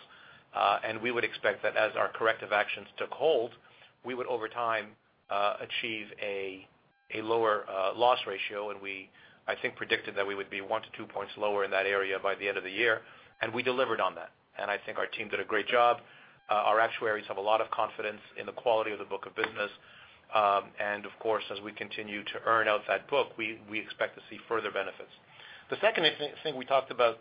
We would expect that as our corrective actions took hold, we would, over time, achieve a lower loss ratio, and we, I think, predicted that we would be one to two points lower in that area by the end of the year, and we delivered on that. I think our team did a great job. Our actuaries have a lot of confidence in the quality of the book of business. Of course, as we continue to earn out that book, we expect to see further benefits. The second thing we talked about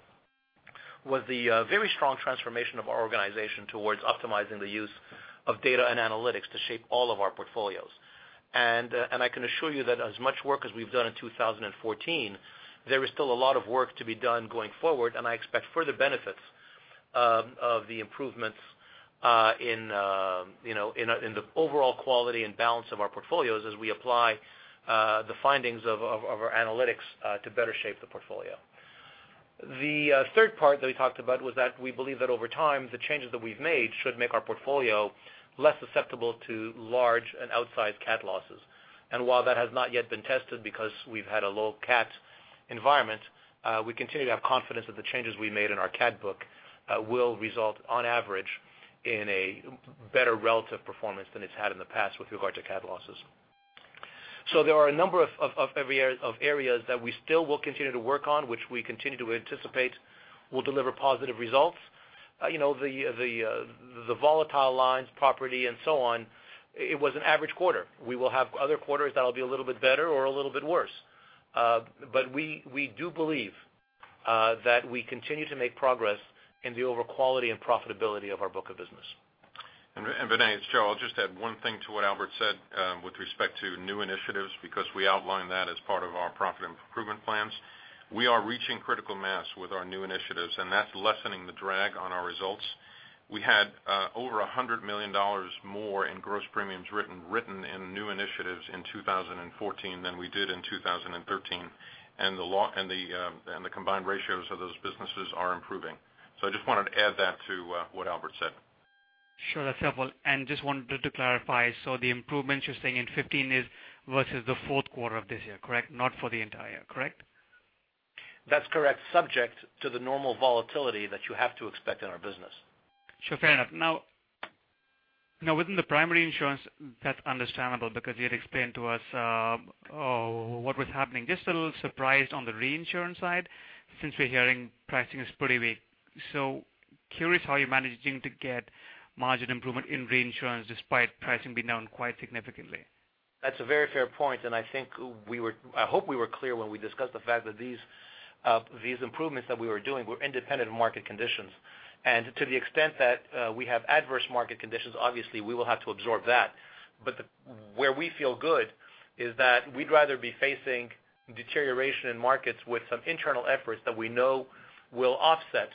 was the very strong transformation of our organization towards optimizing the use of data and analytics to shape all of our portfolios. I can assure you that as much work as we've done in 2014, there is still a lot of work to be done going forward, and I expect further benefits of the improvements in the overall quality and balance of our portfolios as we apply the findings of our analytics to better shape the portfolio. The third part that we talked about was that we believe that over time, the changes that we've made should make our portfolio less susceptible to large and outsized cat losses. While that has not yet been tested because we've had a low cat environment, we continue to have confidence that the changes we made in our cat book will result on average, in a better relative performance than it's had in the past with regard to cat losses. There are a number of areas that we still will continue to work on, which we continue to anticipate will deliver positive results. The volatile lines, property and so on, it was an average quarter. We will have other quarters that'll be a little bit better or a little bit worse. We do believe that we continue to make progress in the overall quality and profitability of our book of business. Rene, it's Joe. I'll just add one thing to what Albert said with respect to new initiatives, because we outlined that as part of our profit improvement plans. We are reaching critical mass with our new initiatives, and that's lessening the drag on our results. We had over $100 million more in gross premiums written in new initiatives in 2014 than we did in 2013. The combined ratios of those businesses are improving. I just wanted to add that to what Albert said. Sure, that's helpful. Just wanted to clarify, the improvements you're saying in 2015 is versus the fourth quarter of this year, correct? Not for the entire year, correct? That's correct, subject to the normal volatility that you have to expect in our business. Sure, fair enough. Within the primary insurance, that's understandable because you had explained to us what was happening. Just a little surprised on the reinsurance side since we're hearing pricing is pretty weak. Curious how you're managing to get margin improvement in reinsurance despite pricing being down quite significantly. That's a very fair point. I hope we were clear when we discussed the fact that these improvements that we were doing were independent of market conditions. To the extent that we have adverse market conditions, obviously we will have to absorb that. Where we feel good is that we'd rather be facing deterioration in markets with some internal efforts that we know will offset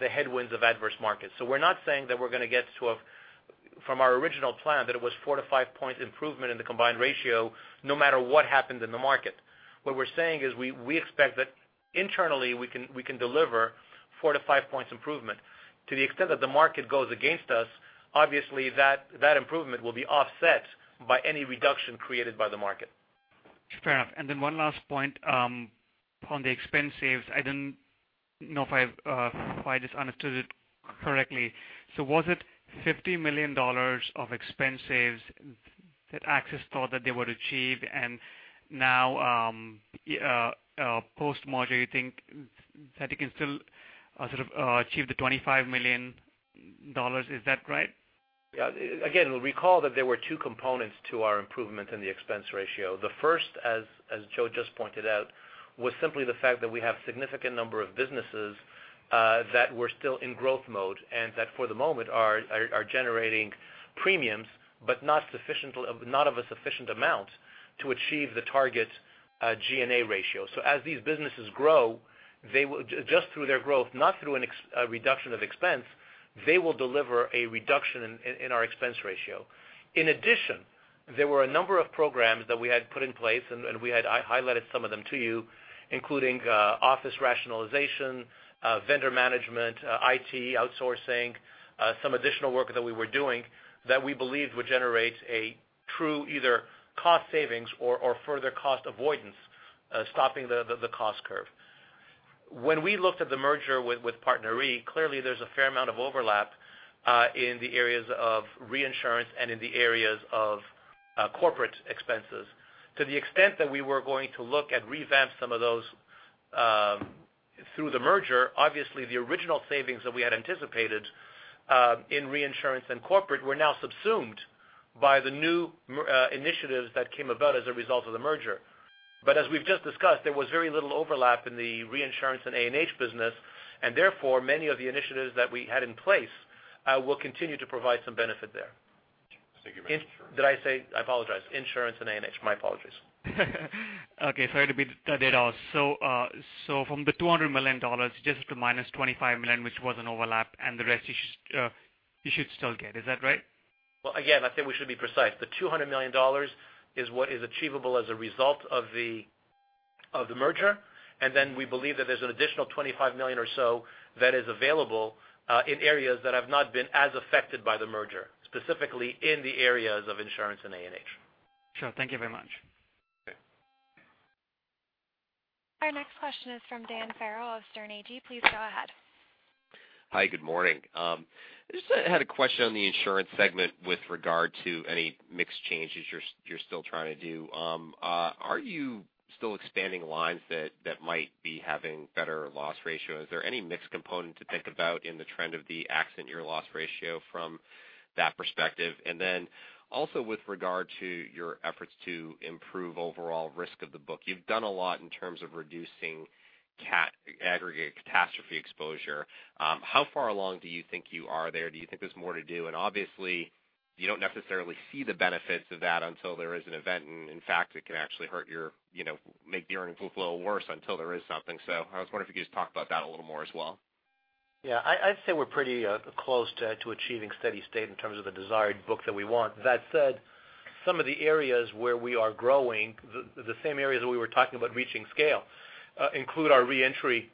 the headwinds of adverse markets. We're not saying that we're going to get to, from our original plan, that it was four to five point improvement in the combined ratio, no matter what happened in the market. What we're saying is we expect that internally we can deliver four to five points improvement. To the extent that the market goes against us, obviously that improvement will be offset by any reduction created by the market. Fair enough. One last point, on the expense saves, I don't know if I just understood it correctly. Was it $50 million of expense saves that AXIS thought that they would achieve and now post-merger you think that you can still sort of achieve the $25 million? Is that right? Again, recall that there were two components to our improvement in the expense ratio. The first, as Joe just pointed out, was simply the fact that we have significant number of businesses that were still in growth mode, and that for the moment are generating premiums, but not of a sufficient amount to achieve the target G&A ratio. As these businesses grow, just through their growth, not through a reduction of expense, they will deliver a reduction in our expense ratio. In addition, there were a number of programs that we had put in place, and we had highlighted some of them to you, including office rationalization, vendor management, IT outsourcing, some additional work that we were doing that we believed would generate a true either cost savings or further cost avoidance, stopping the cost curve. When we looked at the merger with PartnerRe, clearly there's a fair amount of overlap in the areas of reinsurance and in the areas of corporate expenses. To the extent that we were going to look at revamp some of those through the merger, obviously the original savings that we had anticipated in reinsurance and corporate were now subsumed by the new initiatives that came about as a result of the merger. As we've just discussed, there was very little overlap in the reinsurance and A&H business, and therefore, many of the initiatives that we had in place will continue to provide some benefit there. I think it was insurance. I apologize. Insurance and A&H, my apologies. Okay. Sorry to be Yeah, again, I think we should be precise. The $200 million is what is achievable as a result of the Of the merger, we believe that there's an additional $25 million or so that is available in areas that have not been as affected by the merger, specifically in the areas of insurance and A&H. Sure. Thank you very much. Okay. Our next question is from Dan Farrell of Sterne Agee. Please go ahead. Hi, good morning. Just had a question on the insurance segment with regard to any mix changes you're still trying to do. Are you still expanding lines that might be having better loss ratio? Is there any mix component to think about in the trend of the accident year loss ratio from that perspective? Also with regard to your efforts to improve overall risk of the book. You've done a lot in terms of reducing aggregate catastrophe exposure. How far along do you think you are there? Do you think there's more to do? Obviously, you don't necessarily see the benefits of that until there is an event, and in fact, it can actually make the earnings flow worse until there is something. I was wondering if you could just talk about that a little more as well. Yeah. I'd say we're pretty close to achieving steady state in terms of the desired book that we want. That said, some of the areas where we are growing, the same areas that we were talking about reaching scale, include our re-entry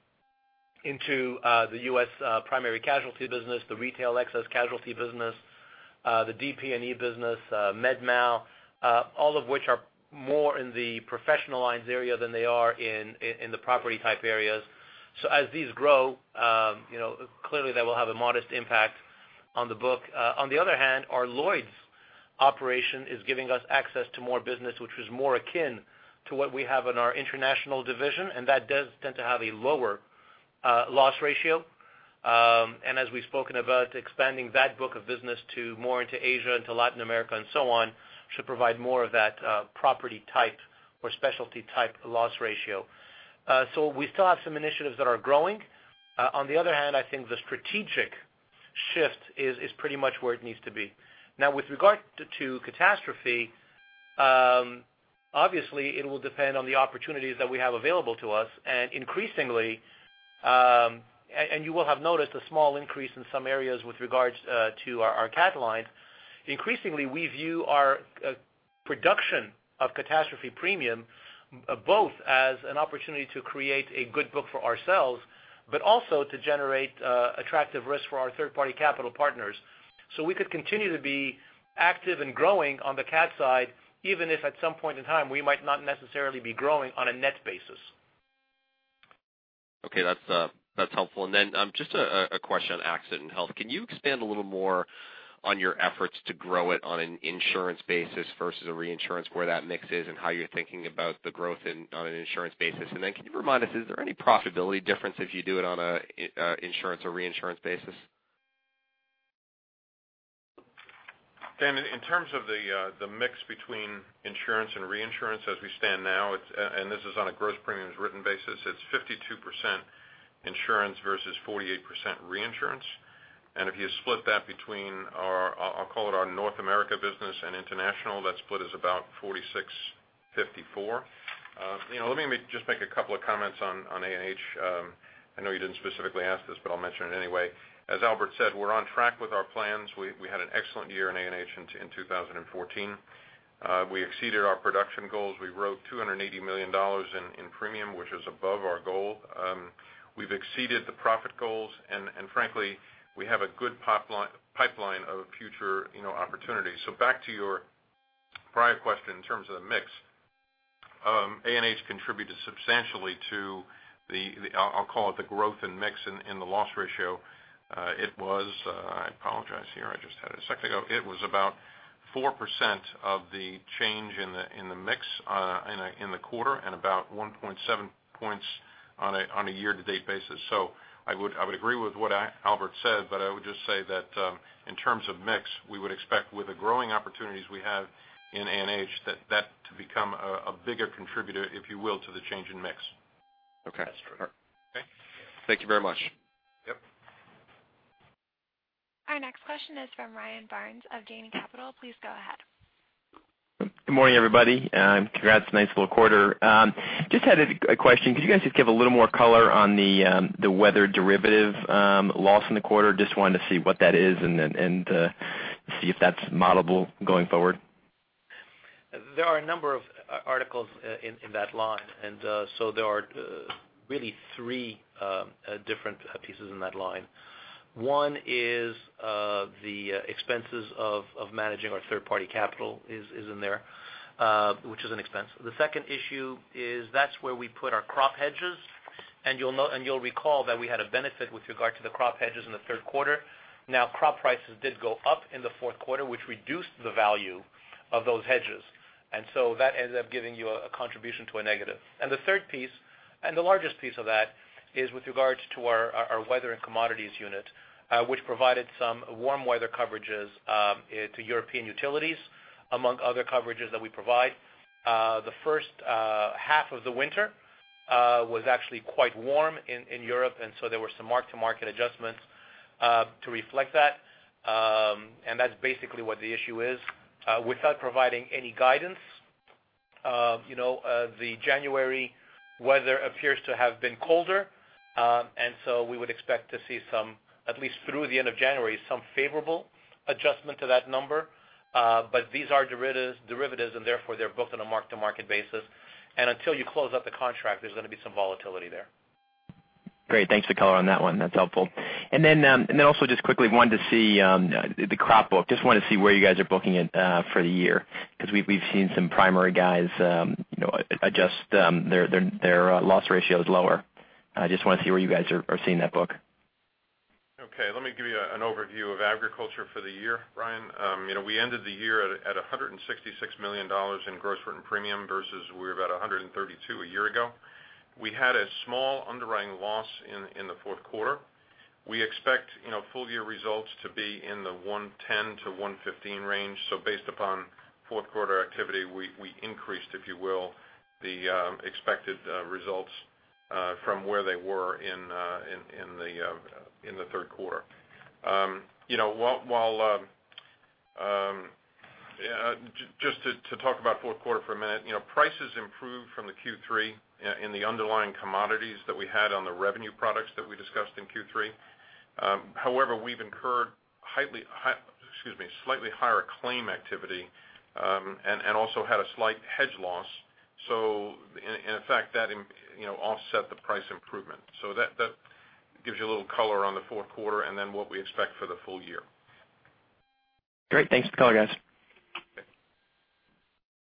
into the U.S. primary casualty business, the retail excess casualty business, the DP&E business, MedMal, all of which are more in the professional lines area than they are in the property type areas. On the other hand, our Lloyd's operation is giving us access to more business, which is more akin to what we have in our international division, and that does tend to have a lower loss ratio. As we've spoken about expanding that book of business more into Asia, into Latin America and so on, should provide more of that property type or specialty type loss ratio. We still have some initiatives that are growing. On the other hand, I think the strategic shift is pretty much where it needs to be. With regard to catastrophe, obviously it will depend on the opportunities that we have available to us, and you will have noticed a small increase in some areas with regards to our cat lines. Increasingly, we view our production of catastrophe premium both as an opportunity to create a good book for ourselves, but also to generate attractive risk for our third-party capital partners. We could continue to be active and growing on the cat side, even if at some point in time we might not necessarily be growing on a net basis. Okay. That's helpful. Just a question on Accident & Health. Can you expand a little more on your efforts to grow it on an insurance basis versus a reinsurance, where that mix is and how you're thinking about the growth on an insurance basis? Can you remind us, is there any profitability difference if you do it on a insurance or reinsurance basis? Dan, in terms of the mix between insurance and reinsurance as we stand now, this is on a gross premiums written basis, it's 52% insurance versus 48% reinsurance. If you split that between our, I'll call it our North America business and international, that split is about 46/54. Let me just make a couple of comments on A&H. I know you didn't specifically ask this, I'll mention it anyway. As Albert said, we're on track with our plans. We had an excellent year in A&H in 2014. We exceeded our production goals. We wrote $280 million in premium, which is above our goal. We've exceeded the profit goals, frankly, we have a good pipeline of future opportunities. Back to your prior question in terms of the mix. A&H contributed substantially to the, I'll call it the growth in mix in the loss ratio. It was, I apologize here, I just had it a second ago. It was about 4% of the change in the mix in the quarter and about 1.7 points on a year-to-date basis. I would agree with what Albert said, but I would just say that in terms of mix, we would expect with the growing opportunities we have in A&H, that to become a bigger contributor, if you will, to the change in mix. Okay. That's true. All right. Okay. Thank you very much. Yep. Our next question is from Ryan Byrnes of Dana Capital. Please go ahead. Good morning, everybody. Congrats, nice little quarter. Just had a question. Could you guys just give a little more color on the weather derivative loss in the quarter? Just wanted to see what that is and see if that's modelable going forward. There are really three different pieces in that line. One is the expenses of managing our third-party capital is in there, which is an expense. The second issue is that's where we put our crop hedges, and you'll recall that we had a benefit with regard to the crop hedges in the third quarter. Now, crop prices did go up in the fourth quarter, which reduced the value of those hedges, that ended up giving you a contribution to a negative. The third piece, and the largest piece of that, is with regards to our weather and commodities unit, which provided some warm weather coverages to European utilities, among other coverages that we provide. The first half of the winter was actually quite warm in Europe, there were some mark-to-market adjustments to reflect that. That's basically what the issue is. Without providing any guidance, the January weather appears to have been colder. We would expect to see some, at least through the end of January, some favorable adjustment to that number. These are derivatives, and therefore, they're booked on a mark-to-market basis. Until you close up the contract, there's going to be some volatility there. Great. Thanks for color on that one. That's helpful. Also just quickly wanted to see the crop book, just wanted to see where you guys are booking it for the year, because we've seen some primary guys adjust their loss ratios lower. I just want to see where you guys are seeing that book. Okay, let me give you an overview of agriculture for the year, Ryan. We ended the year at $166 million in gross written premium versus we were about $132 million a year ago. We had a small underwriting loss in the fourth quarter. We expect full year results to be in the $110 million-$115 million range. Based upon fourth quarter activity, we increased, if you will, the expected results from where they were in the third quarter. Just to talk about fourth quarter for a minute, prices improved from the Q3 in the underlying commodities that we had on the revenue products that we discussed in Q3. However, we've incurred slightly higher claim activity and also had a slight hedge loss. In fact, that offset the price improvement. That gives you a little color on the fourth quarter and then what we expect for the full year. Great. Thanks for the color, guys. Okay.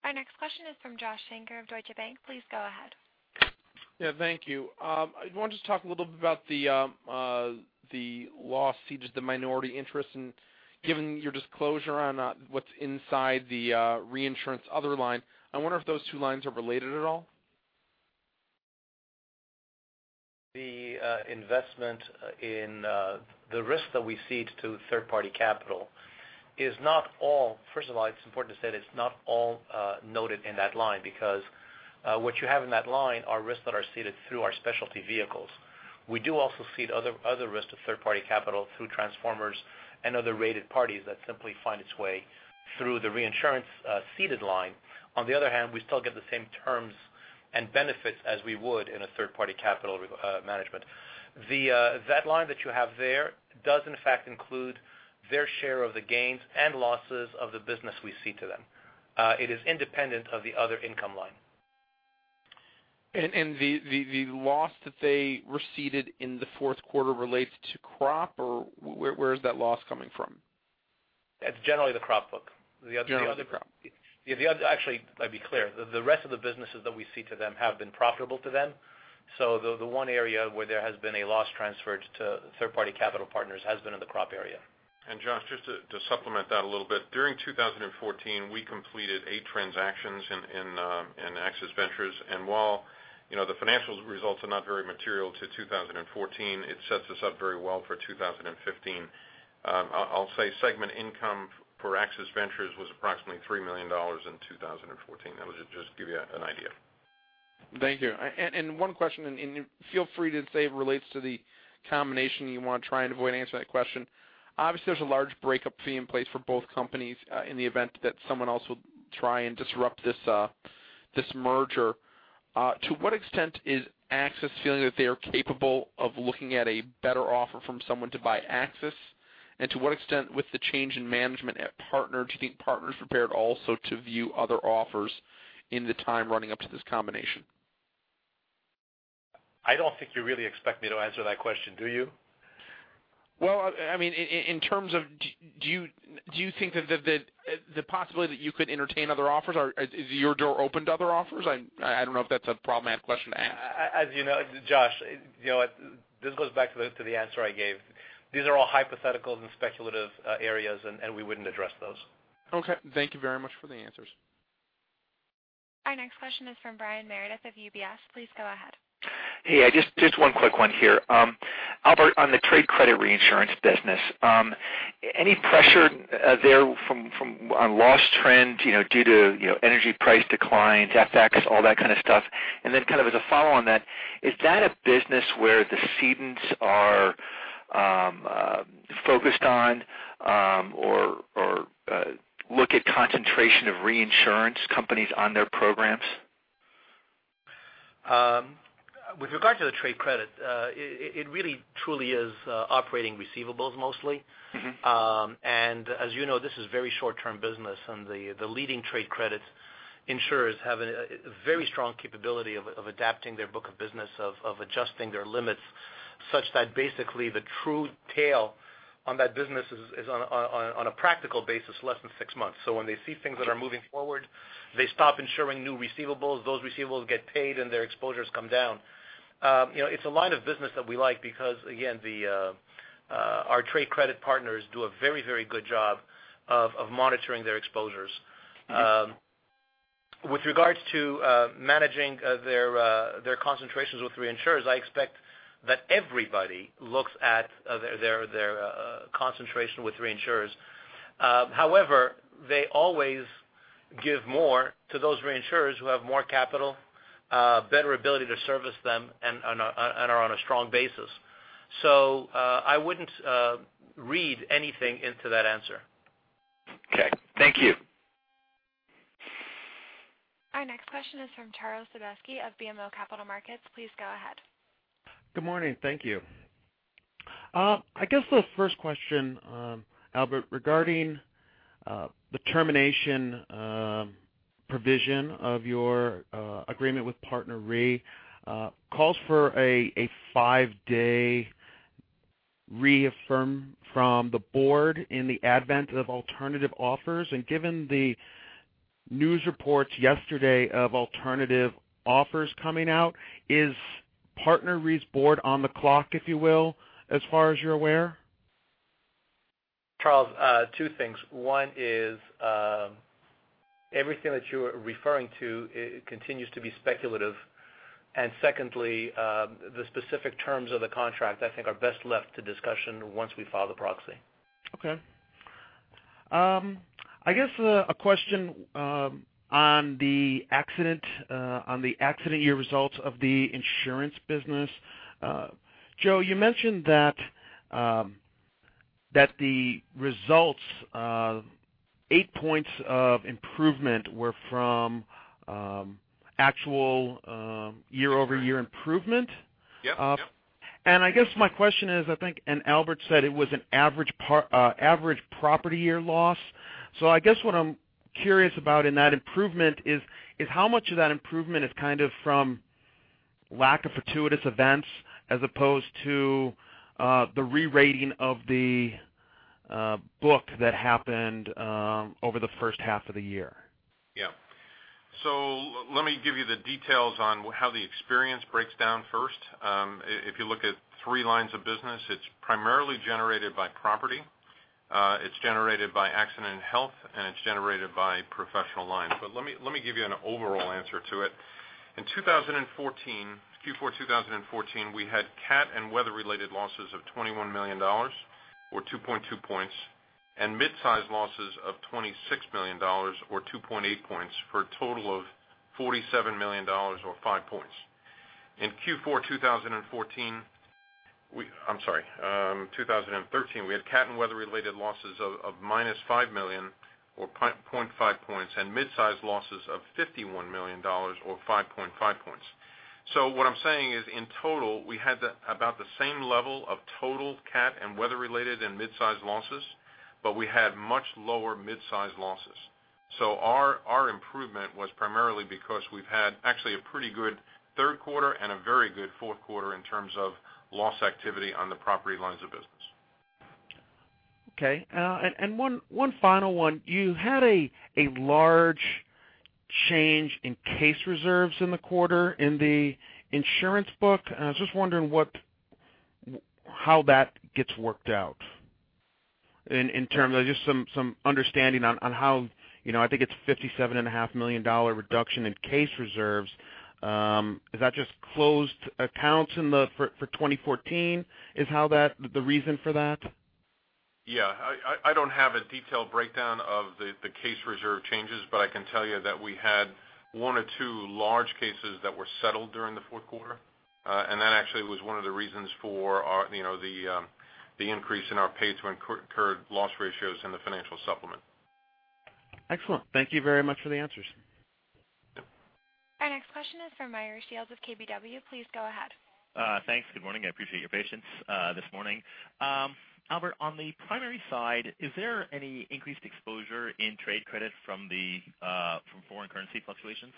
Our next question is from Josh Shanker of Deutsche Bank. Please go ahead. Yeah, thank you. I want to just talk a little bit about the loss ceded to minority interest, and given your disclosure on what's inside the reinsurance other line, I wonder if those two lines are related at all. The investment in the risk that we cede to third-party capital is not all, first of all, it's important to state it's not all noted in that line because what you have in that line are risks that are ceded through our specialty vehicles. We do also cede other risks to third-party capital through transformers and other rated parties that simply find its way through the reinsurance ceded line. On the other hand, we still get the same terms and benefits as we would in a third-party capital management. That line that you have there does in fact include their share of the gains and losses of the business we cede to them. It is independent of the other income line. The loss that they ceded in the fourth quarter relates to crop, or where is that loss coming from? It's generally the crop book. Generally the crop. Actually, I will be clear. The rest of the businesses that we cede to them have been profitable to them. The one area where there has been a loss transferred to third-party capital partners has been in the crop area. Josh, just to supplement that a little bit, during 2014, we completed 8 transactions in AXIS Ventures. While the financial results are not very material to 2014, it sets us up very well for 2015. I will say segment income for AXIS Ventures was approximately $3 million in 2014. That was just to give you an idea. Thank you. One question, and feel free to say if it relates to the combination and you want to try and avoid answering that question. Obviously, there is a large breakup fee in place for both companies in the event that someone else will try and disrupt this merger. To what extent is AXIS feeling that they are capable of looking at a better offer from someone to buy AXIS? To what extent, with the change in management at Partner, do you think Partner is prepared also to view other offers in the time running up to this combination? I don't think you really expect me to answer that question, do you? Well, in terms of, do you think that the possibility that you could entertain other offers, or is your door open to other offers? I don't know if that's a problematic question to ask. As you know, Josh, this goes back to the answer I gave. These are all hypotheticals and speculative areas. We wouldn't address those. Okay. Thank you very much for the answers. Our next question is from Brian Meredith of UBS. Please go ahead. Hey, just one quick one here. Albert, on the trade credit reinsurance business, any pressure there on loss trend due to energy price declines, FX, all that kind of stuff? Then kind of as a follow on that, is that a business where the cedents are focused on or look at concentration of reinsurance companies on their programs? With regard to the trade credit, it really truly is operating receivables mostly. As you know, this is very short term business, and the leading trade credit insurers have a very strong capability of adapting their book of business, of adjusting their limits such that basically the true tail on that business is on a practical basis less than six months. When they see things that are moving forward, they stop insuring new receivables. Those receivables get paid, their exposures come down. It's a line of business that we like because, again, our trade credit partners do a very good job of monitoring their exposures. With regards to managing their concentrations with reinsurers, I expect that everybody looks at their concentration with reinsurers. However, they always give more to those reinsurers who have more capital, better ability to service them, and are on a strong basis. I wouldn't read anything into that answer. Okay. Thank you. This question is from Charles Sobeski of BMO Capital Markets. Please go ahead. Good morning. Thank you. I guess the first question, Albert, regarding the termination provision of your agreement with PartnerRe calls for a five-day reaffirm from the board in the advent of alternative offers. Given the news reports yesterday of alternative offers coming out, is PartnerRe's board on the clock, if you will, as far as you're aware? Charles, two things. One is everything that you're referring to continues to be speculative. Secondly, the specific terms of the contract, I think, are best left to discussion once we file the proxy. Okay. I guess a question on the accident year results of the insurance business. Joe, you mentioned that the results, 8 points of improvement, were from actual year-over-year improvement. Yep. I guess my question is, I think, Albert said it was an average property year loss. I guess what I'm curious about in that improvement is how much of that improvement is from lack of fortuitous events as opposed to the re-rating of the book that happened over the first half of the year? Let me give you the details on how the experience breaks down first. If you look at three lines of business, it's primarily generated by property, it's generated by Accident & Health, and it's generated by professional lines. Let me give you an overall answer to it. In Q4 2014, we had cat and weather-related losses of $21 million, or 2.2 points, and mid-size losses of $26 million, or 2.8 points, for a total of $47 million or five points. In Q4 2013, we had cat and weather-related losses of -$5 million or 0.5 points, and mid-size losses of $51 million or 5.5 points. What I'm saying is, in total, we had about the same level of total cat and weather-related and mid-size losses, but we had much lower mid-size losses. Our improvement was primarily because we've had actually a pretty good third quarter and a very good fourth quarter in terms of loss activity on the property lines of business. One final one. You had a large change in case reserves in the quarter in the insurance book, and I was just wondering how that gets worked out in terms of just some understanding on how, I think it's $57.5 million reduction in case reserves. Is that just closed accounts for 2014? Is the reason for that? Yeah. I don't have a detailed breakdown of the case reserve changes, but I can tell you that we had one or two large cases that were settled during the fourth quarter. That actually was one of the reasons for the increase in our pay to incurred loss ratios in the financial supplement. Excellent. Thank you very much for the answers. Our next question is from Meyer Shields of KBW. Please go ahead. Thanks. Good morning. I appreciate your patience this morning. Albert, on the primary side, is there any increased exposure in trade credit from foreign currency fluctuations?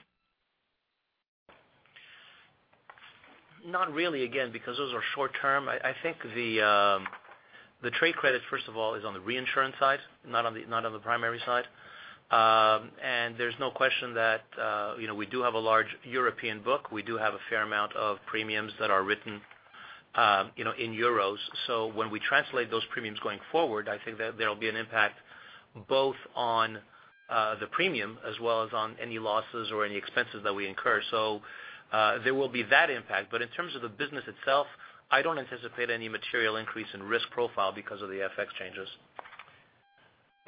Not really, again, because those are short-term. I think the trade credit, first of all, is on the reinsurance side, not on the primary side. There's no question that we do have a large European book. We do have a fair amount of premiums that are written in euros. When we translate those premiums going forward, I think that there'll be an impact both on the premium as well as on any losses or any expenses that we incur. There will be that impact, but in terms of the business itself, I don't anticipate any material increase in risk profile because of the FX changes.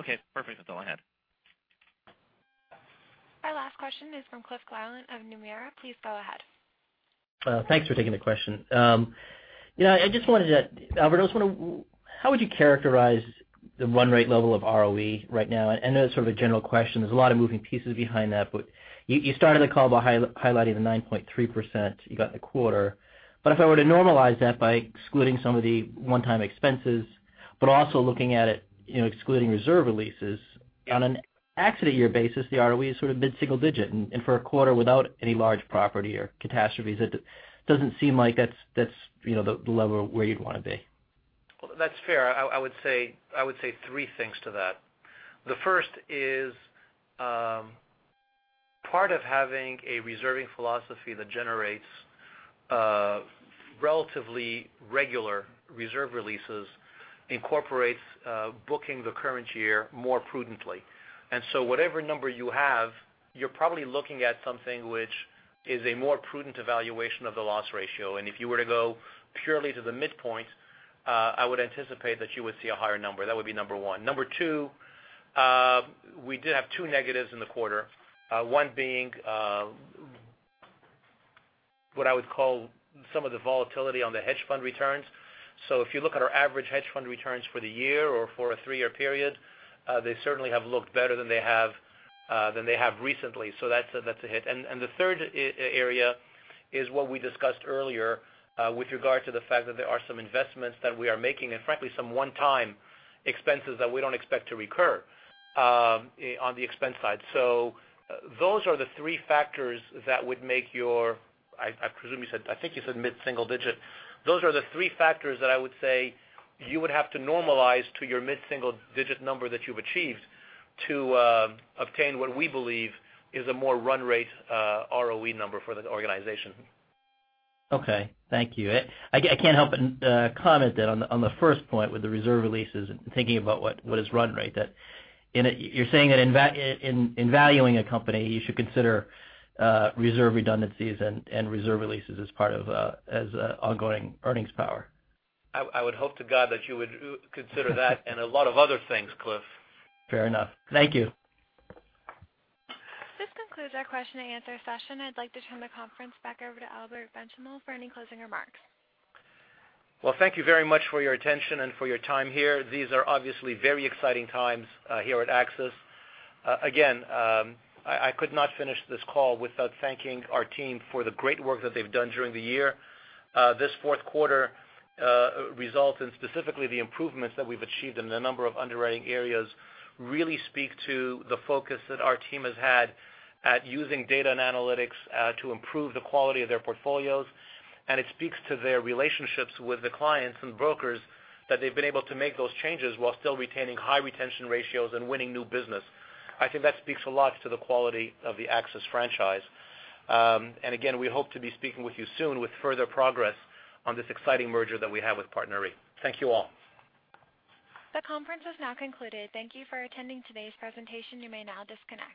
Okay, perfect. That's all I had. Our last question is from Cliff Gallant of Nomura. Please go ahead. Thanks for taking the question. Albert, how would you characterize the run rate level of ROE right now? I know it's sort of a general question. There's a lot of moving pieces behind that. You started the call by highlighting the 9.3% you got in the quarter. If I were to normalize that by excluding some of the one-time expenses, also looking at it excluding reserve releases on an accident year basis, the ROE is sort of mid-single digit. For a quarter without any large property or catastrophes, it doesn't seem like that's the level where you'd want to be. Well, that's fair. I would say three things to that. The first is part of having a reserving philosophy that generates relatively regular reserve releases incorporates booking the current year more prudently. Whatever number you have, you're probably looking at something which is a more prudent evaluation of the loss ratio. If you were to go purely to the midpoint, I would anticipate that you would see a higher number. That would be number 1. Number 2, we did have two negatives in the quarter. One being what I would call some of the volatility on the hedge fund returns. If you look at our average hedge fund returns for the year or for a three-year period, they certainly have looked better than they have recently. That's a hit. The third area is what we discussed earlier, with regard to the fact that there are some investments that we are making, frankly, some one-time expenses that we don't expect to recur on the expense side. Those are the three factors that would make your, I think you said mid-single digit. Those are the three factors that I would say you would have to normalize to your mid-single digit number that you've achieved to obtain what we believe is a more run rate ROE number for the organization. Okay. Thank you. I can't help but comment that on the first point with the reserve releases and thinking about what is run rate, that you're saying that in valuing a company, you should consider reserve redundancies and reserve releases as ongoing earnings power. I would hope to God that you would consider that and a lot of other things, Cliff. Fair enough. Thank you. This concludes our question and answer session. I'd like to turn the conference back over to Albert Benchimol for any closing remarks. Well, thank you very much for your attention and for your time here. These are obviously very exciting times here at AXIS. Again, I could not finish this call without thanking our team for the great work that they've done during the year. This fourth quarter results and specifically the improvements that we've achieved in a number of underwriting areas really speak to the focus that our team has had at using data and analytics to improve the quality of their portfolios. It speaks to their relationships with the clients and brokers that they've been able to make those changes while still retaining high retention ratios and winning new business. I think that speaks a lot to the quality of the AXIS franchise. Again, we hope to be speaking with you soon with further progress on this exciting merger that we have with PartnerRe. Thank you all. The conference has now concluded. Thank you for attending today's presentation. You may now disconnect.